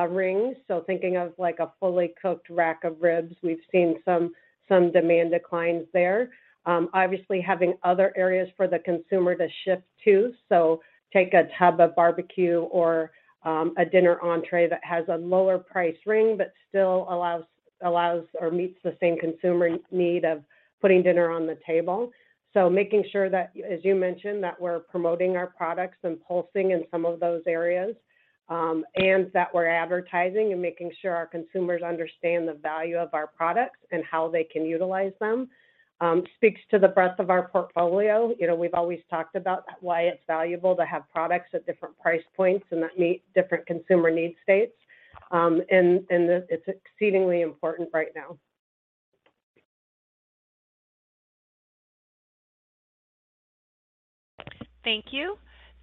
rings. Thinking of like a fully cooked rack of ribs, we've seen some demand declines there. Obviously having other areas for the consumer to shift to. Take a tub of barbecue or a dinner entrée that has a lower price ring but still allows or meets the same consumer need of putting dinner on the table. Making sure that, as you mentioned, that we're promoting our products and pulsing in some of those areas, and that we're advertising and making sure our consumers understand the value of our products and how they can utilize them, speaks to the breadth of our portfolio. You know, we've always talked about why it's valuable to have products at different price points and that meet different consumer need states. And, and it's exceedingly important right now. Thank you.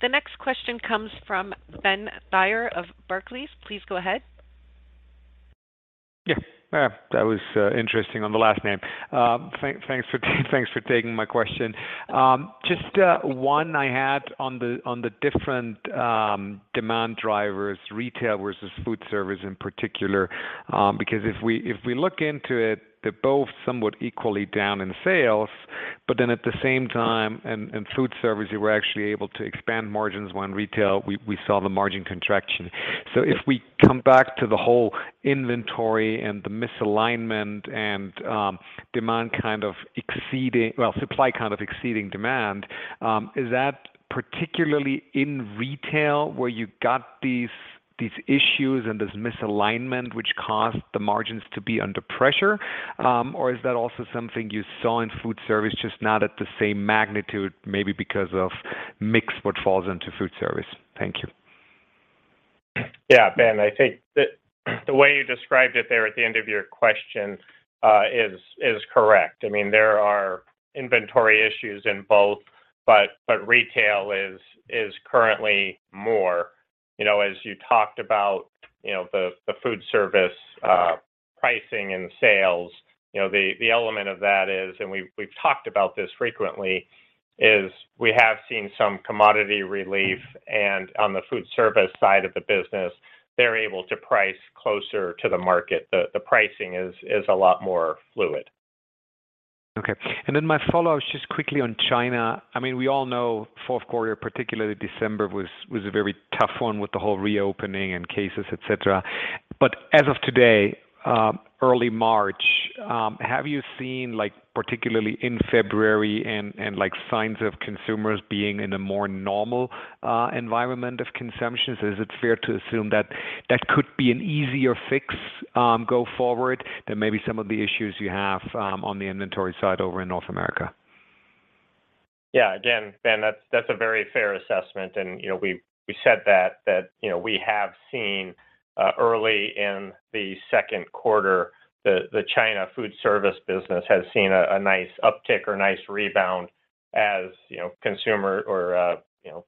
The next question comes from Ben Theurer of Barclays. Please go ahead. Yeah. That was interesting on the last name. Thanks for taking my question. Just one I had on the different demand drivers, retail versus food service in particular. If we look into it, they're both somewhat equally down in sales. At the same time, in food service you were actually able to expand margins when retail, we saw the margin contraction. If we come back to the whole inventory and the misalignment and demand kind of exceeding, well, supply kind of exceeding demand, is that particularly in retail where you got these issues and this misalignment which caused the margins to be under pressure? Is that also something you saw in food service just not at the same magnitude, maybe because of mix what falls into food service? Thank you. Yeah, Ben, I think the way you described it there at the end of your question is correct. I mean, there are inventory issues in both, but retail is currently more. You know, as you talked about, you know, the food service pricing and sales, you know, the element of that is, and we've talked about this frequently, is we have seen some commodity relief. On the food service side of the business, they're able to price closer to the market. The pricing is a lot more fluid. Okay. My follow-up is just quickly on China. I mean, we all know fourth quarter, particularly December, was a very tough one with the whole reopening and cases, et cetera. As of today, early March, have you seen like particularly in February and like signs of consumers being in a more normal environment of consumption? Is it fair to assume that that could be an easier fix go forward than maybe some of the issues you have on the inventory side over in North America? Yeah. Again, Ben, that's a very fair assessment. you know, we've said that, you know, we have seen early in the second quarter, the China foodservice business has seen a nice uptick or nice rebound as, you know, consumer or, you know,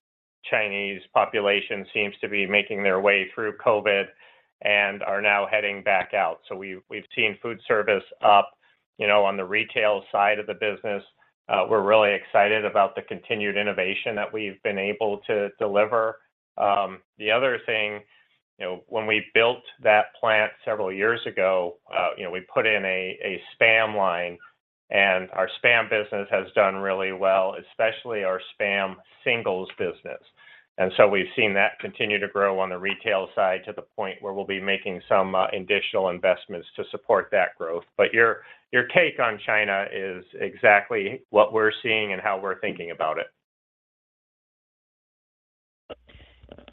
Chinese population seems to be making their way through COVID and are now heading back out. we've seen foodservice up. You know, on the retail side of the business, we're really excited about the continued innovation that we've been able to deliver. The other thing, you know, when we built that plant several years ago, you know, we put in a SPAM line, and our SPAM business has done really well, especially our SPAM singles business. We've seen that continue to grow on the retail side to the point where we'll be making some additional investments to support that growth. Your take on China is exactly what we're seeing and how we're thinking about it.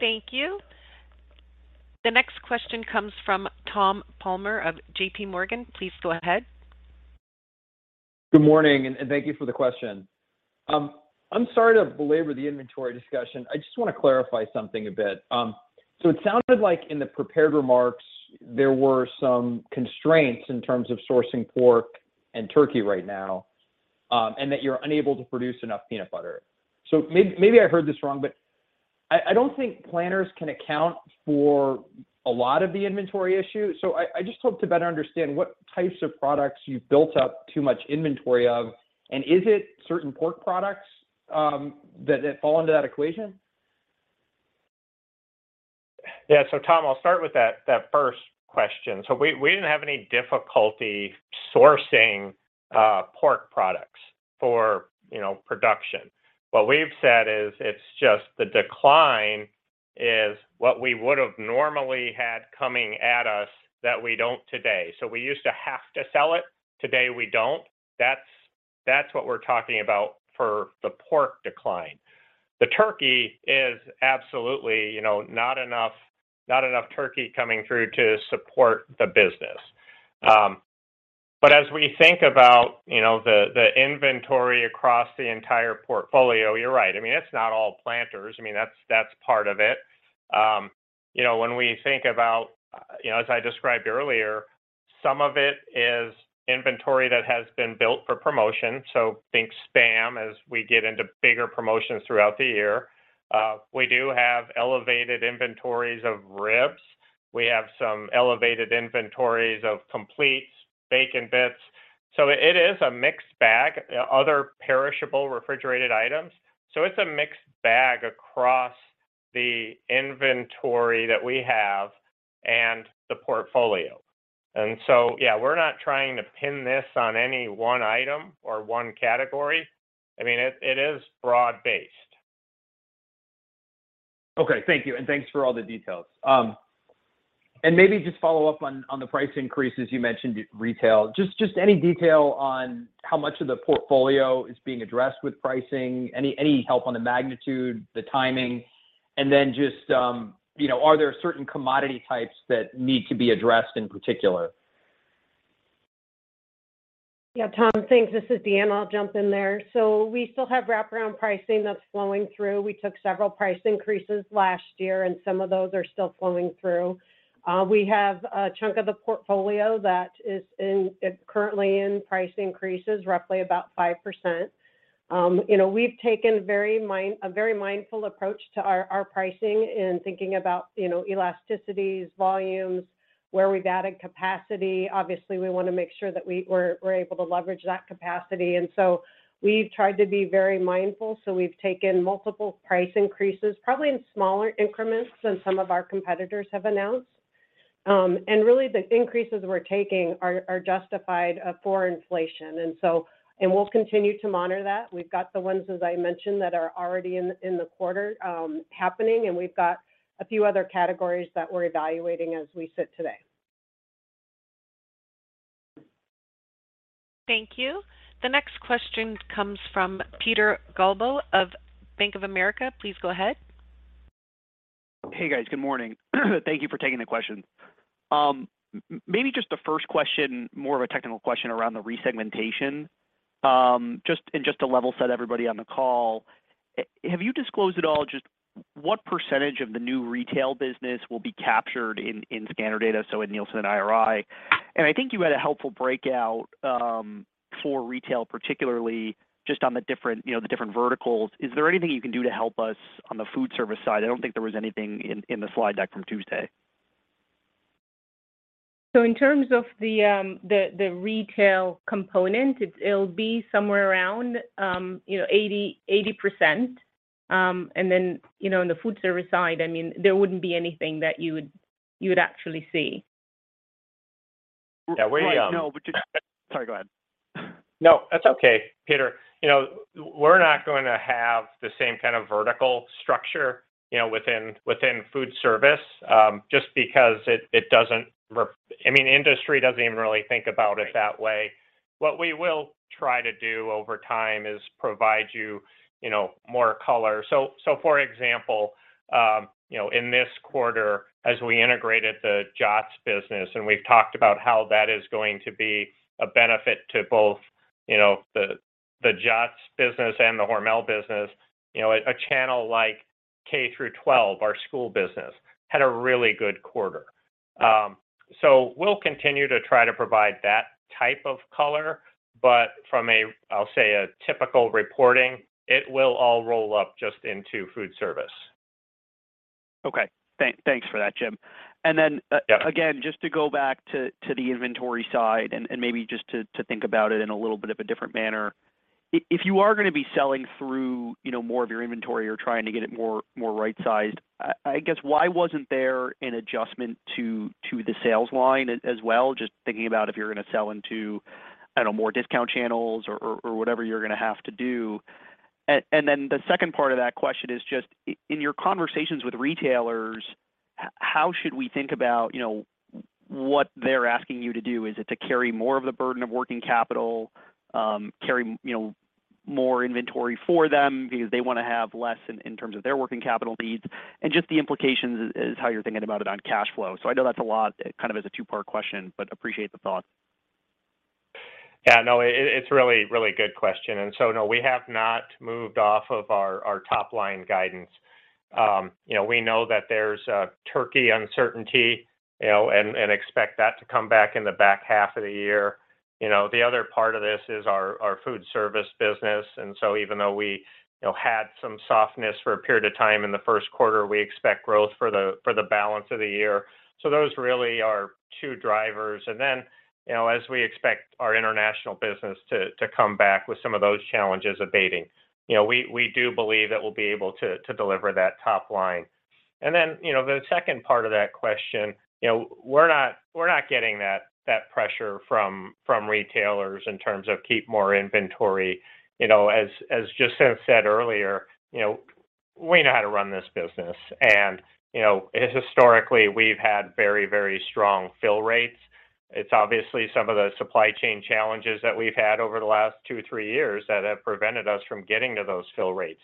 Thank you. The next question comes from Tom Palmer of JPMorgan. Please go ahead. Good morning, thank you for the question. I'm sorry to belabor the inventory discussion. I just wanna clarify something a bit. It sounded like in the prepared remarks there were some constraints in terms of sourcing pork and turkey right now, and that you're unable to produce enough peanut butter. Maybe I heard this wrong, but I don't think PLANTERS can account for a lot of the inventory issues. I just hope to better understand what types of products you've built up too much inventory of, and is it certain pork products that fall into that equation? Yeah. Tom, I'll start with that first question. We didn't have any difficulty sourcing pork products for, you know, production. What we've said is it's just the decline is what we would've normally had coming at us that we don't today. We used to have to sell it, today we don't. That's what we're talking about for the pork decline. The turkey is absolutely, you know, not enough turkey coming through to support the business. As we think about, you know, the inventory across the entire portfolio, you're right. I mean, it's not all PLANTERS. I mean, that's part of it. You know, when we think about, you know, as I described earlier, some of it is inventory that has been built for promotion. Think SPAM as we get into bigger promotions throughout the year. We do have elevated inventories of ribs. We have some elevated inventories of completes, bacon bits. It is a mixed bag. Other perishable refrigerated items. It's a mixed bag across the inventory that we have and the portfolio. Yeah, we're not trying to pin this on any one item or one category. I mean, it is broad-based. Okay. Thank you, and thanks for all the details. Maybe just follow up on the price increases. You mentioned retail. Just any detail on how much of the portfolio is being addressed with pricing? Any help on the magnitude, the timing? Then just, you know, are there certain commodity types that need to be addressed in particular? Yeah, Tom, thanks. This is Deanna. I'll jump in there. We still have wraparound pricing that's flowing through. We took several price increases last year, some of those are still flowing through. We have a chunk of the portfolio that is currently in price increases roughly about 5%. You know, we've taken a very mindful approach to our pricing in thinking about, you know, elasticities, volumes, where we've added capacity. Obviously, we wanna make sure that we're able to leverage that capacity. We've tried to be very mindful. We've taken multiple price increases, probably in smaller increments than some of our competitors have announced. Really the increases we're taking are justified for inflation. We'll continue to monitor that. We've got the ones, as I mentioned, that are already in the quarter, happening, and we've got a few other categories that we're evaluating as we sit today. Thank you. The next question comes from Peter Galbo of Bank of America. Please go ahead. Hey, guys. Good morning. Thank you for taking the questions. maybe just the first question, more of a technical question around the resegmentation. and just to level set everybody on the call, have you disclosed at all just what percentage of the new retail business will be captured in scanner data, so in Nielsen and IRI? I think you had a helpful breakout for retail particularly just on the different, you know, the different verticals. Is there anything you can do to help us on the food service side? I don't think there was anything in the slide deck from Tuesday. In terms of the retail component, it'll be somewhere around, you know, 80%. You know, in the food service side, I mean, there wouldn't be anything that you would actually see. Right. No, but. Yeah, we. Sorry, go ahead. No, that's okay, Peter. You know, we're not gonna have the same kind of vertical structure, you know, within food service, just because it doesn't I mean, the industry doesn't even really think about it that way. What we will try to do over time is provide you know, more color. For example, you know, in this quarter as we integrated the JOTS business, and we've talked about how that is going to be a benefit to both, the JOTS business and the Hormel business. You know, a channel like K-12, our school business, had a really good quarter. We'll continue to try to provide that type of color. From a, I'll say, a typical reporting, it will all roll up just into food service. Okay. Thanks for that, Jim. Yeah. Again, just to go back to the inventory side and maybe just to think about it in a little bit of a different manner. If you are gonna be selling through, you know, more of your inventory or trying to get it more right-sized, I guess why wasn't there an adjustment to the sales line as well? Just thinking about if you're gonna sell into, I don't know, more discount channels or whatever you're gonna have to do. The second part of that question is just in your conversations with retailers, how should we think about, you know, what they're asking you to do? Is it to carry more of the burden of working capital, carry, you know, more inventory for them because they wanna have less in terms of their working capital needs? Just the implications is how you're thinking about it on cash flow. I know that's a lot, kind of as a two-part question, but appreciate the thought. Yeah, no, it's a really, really good question. No, we have not moved off of our top line guidance. We know that there's a turkey uncertainty, you know, and expect that to come back in the back half of the year. The other part of this is our foodservice business. Even though we, you know, had some softness for a period of time in the first quarter, we expect growth for the balance of the year. Those really are 2 drivers. As we expect our international business to come back with some of those challenges abating. We, we do believe that we'll be able to deliver that top line. You know, the second part of that question, you know, we're not getting that pressure from retailers in terms of keep more inventory. You know, as Justin said earlier, you know, we know how to run this business. You know, historically, we've had very strong fill rates. It's obviously some of the supply chain challenges that we've had over the last two, three years that have prevented us from getting to those fill rates.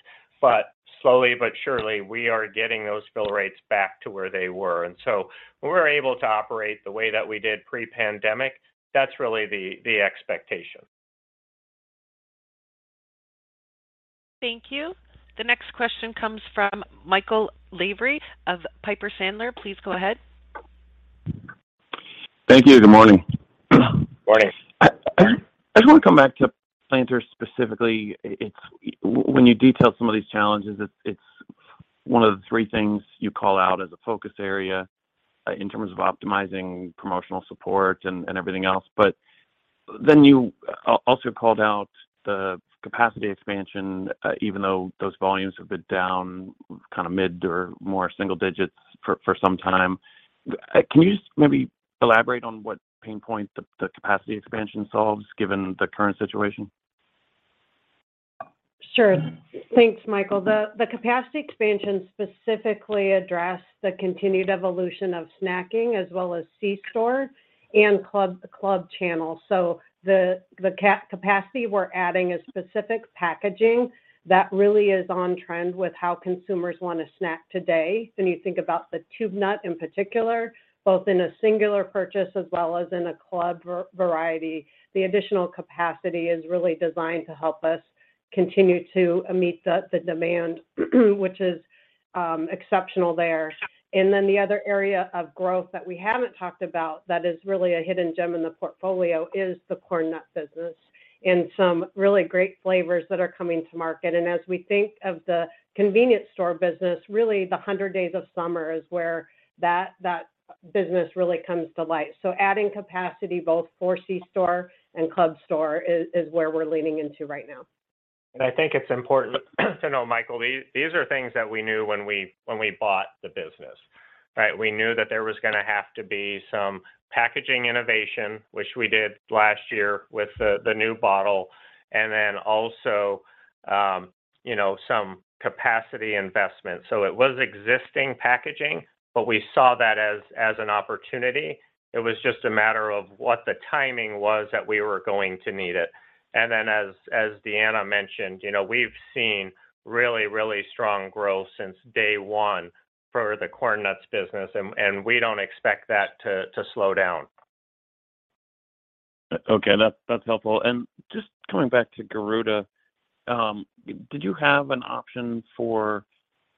Slowly but surely, we are getting those fill rates back to where they were. When we're able to operate the way that we did pre-pandemic, that's really the expectation. Thank you. The next question comes from Michael Lavery of Piper Sandler. Please go ahead. Thank you. Good morning. Morning. I just wanna come back to PLANTERS specifically. It's when you detail some of these challenges, it's one of the three things you call out as a focus area in terms of optimizing promotional support and everything else. You also called out the capacity expansion even though those volumes have been down kind of mid or more single digits for some time. Can you just maybe elaborate on what pain point the capacity expansion solves given the current situation? Sure. Thanks, Michael. The capacity expansion specifically addressed the continued evolution of snacking as well as C-store and club channels. The capacity we're adding is specific packaging that really is on trend with how consumers wanna snack today. When you think about the tube nut in particular, both in a singular purchase as well as in a club variety, the additional capacity is really designed to help us continue to meet the demand, which is exceptional there. The other area of growth that we haven't talked about that is really a hidden gem in the portfolio is the CORN NUTS business and some really great flavors that are coming to market. As we think of the convenience store business, really the 100 days of summer is where that business really comes to light. Adding capacity both for C-store and club store is where we're leaning into right now. I think it's important to know, Michael, these are things that we knew when we bought the business, right? We knew that there was gonna have to be some packaging innovation, which we did last year with the new bottle, you know, some capacity investment. So it was existing packaging, but we saw that as an opportunity. It was just a matter of what the timing was that we were going to need it. As Deanna mentioned, you know, we've seen really, really strong growth since day one for the CORN NUTS business and we don't expect that to slow down. Okay. That's helpful. Just coming back to Garuda, did you have an option for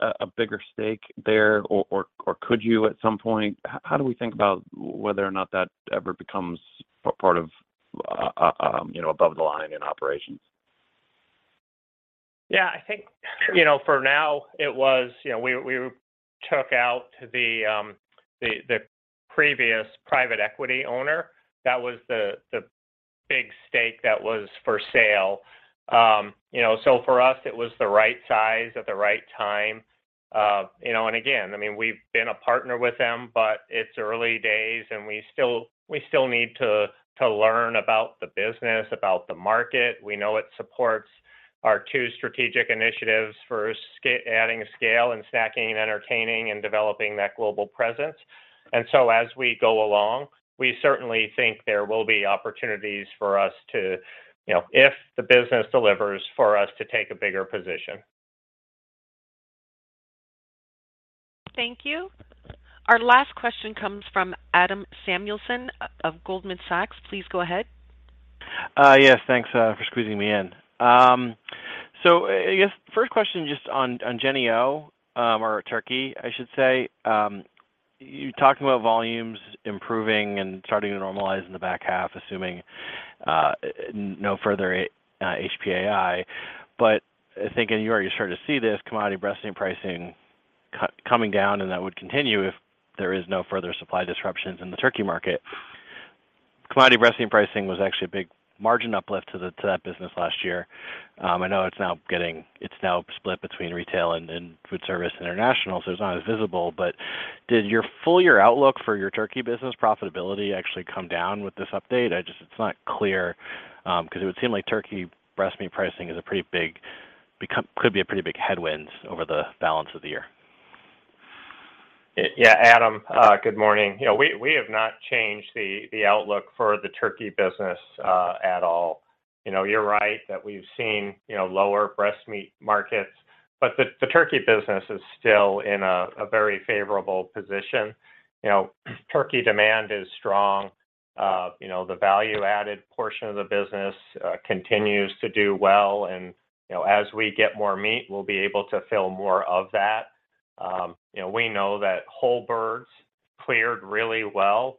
a bigger stake there or could you at some point? How do we think about whether or not that ever becomes part of, you know, above the line in operations? Yeah. I think, you know, for now it was. You know, we took out the previous private equity owner. That was the big stake that was for sale. You know, for us it was the right size at the right time. You know, I mean, we've been a partner with them, but it's early days, and we still need to learn about the business, about the market. We know it supports our two strategic initiatives for adding scale and snacking and entertaining and developing that global presence. As we go along, we certainly think there will be opportunities for us to, you know, if the business delivers, for us to take a bigger position. Thank you. Our last question comes from Adam Samuelson of Goldman Sachs. Please go ahead. Yes. Thanks for squeezing me in. I guess first question just on Jennie-O, or turkey I should say. You talked about volumes improving and starting to normalize in the back half, assuming no further HPAI. I think, and you already started to see this, commodity breast meat pricing coming down, and that would continue if there is no further supply disruptions in the turkey market. Commodity breast meat pricing was actually a big margin uplift to that business last year. I know it's now split between retail and food service international, so it's not as visible. Did your full year outlook for your turkey business profitability actually come down with this update? I just... It's not clear, because it would seem like turkey breast meat pricing could be a pretty big headwind over the balance of the year. Yeah, Adam, good morning. You know, we have not changed the outlook for the turkey business at all. You know, you're right that we've seen, you know, lower breast meat markets. The turkey business is still in a very favorable position. You know, turkey demand is strong. You know, the value added portion of the business continues to do well. You know, as we get more meat, we'll be able to fill more of that. You know, we know that whole birds cleared really well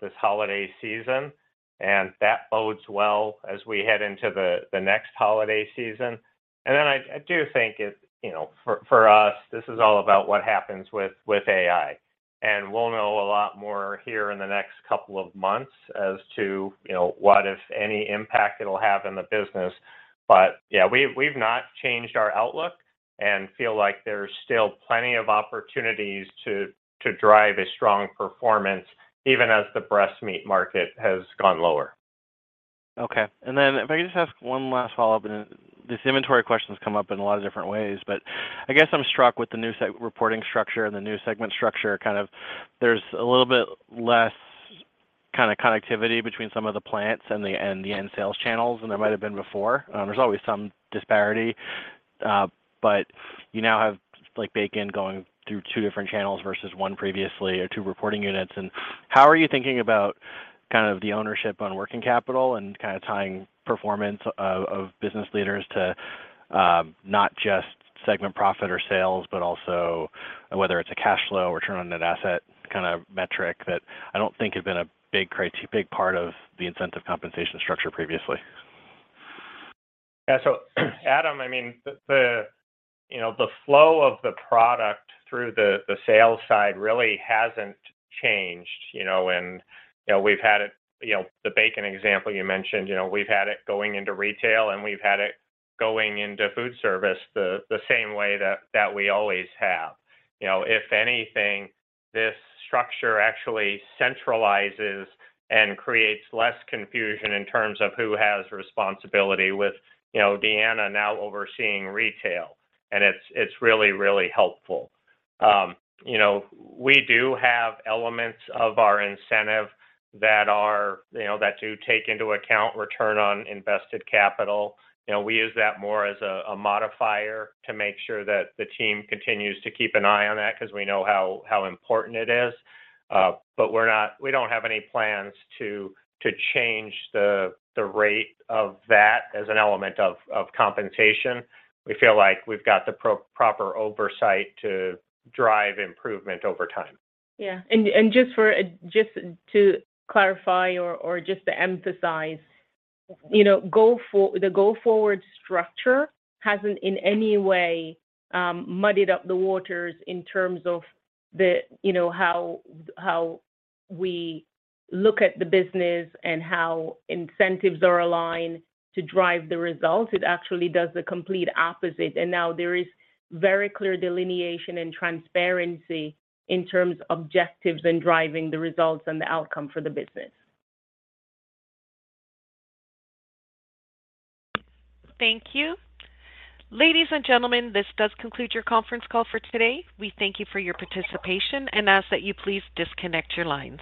this holiday season, and that bodes well as we head into the next holiday season. I do think it's, you know, for us, this is all about what happens with AI. We'll know a lot more here in the next couple of months as to, you know, what, if any impact it'll have in the business. Yeah, we've not changed our outlook and feel like there's still plenty of opportunities to drive a strong performance even as the breast meat market has gone lower. Okay. If I could just ask one last follow-up. This inventory question's come up in a lot of different ways, but I guess I'm struck with the new reporting structure and the new segment structure, kind of there's a little bit less kinda connectivity between some of the plants and the end sales channels than there might have been before. There's always some disparity, but you now have like bacon going through two different channels versus one previously or two reporting units. How are you thinking about kind of the ownership on working capital and kinda tying performance of business leaders to not just segment profit or sales, but also whether it's a cash flow or return on an asset kinda metric that I don't think has been a big part of the incentive compensation structure previously. Yeah. Adam, I mean, the, you know, the flow of the product through the sales side really hasn't changed, you know. You know, the bacon example you mentioned, you know, we've had it going into retail, and we've had it going into foodservice the same way that we always have. You know, if anything, this structure actually centralizes and creates less confusion in terms of who has responsibility with, you know, Deanna now overseeing retail. It's really helpful. You know, we do have elements of our incentive that are, you know, that do take into account return on invested capital. You know, we use that more as a modifier to make sure that the team continues to keep an eye on that 'cause we know how important it is. We don't have any plans to change the rate of that as an element of compensation. We feel like we've got the proper oversight to drive improvement over time. Yeah. Just for, just to clarify or just to emphasize, you know, the Go Forward structure hasn't in any way muddied up the waters in terms of the, you know, how we look at the business and how incentives are aligned to drive the results. It actually does the complete opposite. Now there is very clear delineation and transparency in terms of objectives in driving the results and the outcome for the business. Thank you. Ladies and gentlemen, this does conclude your conference call for today. We thank you for your participation and ask that you please disconnect your lines.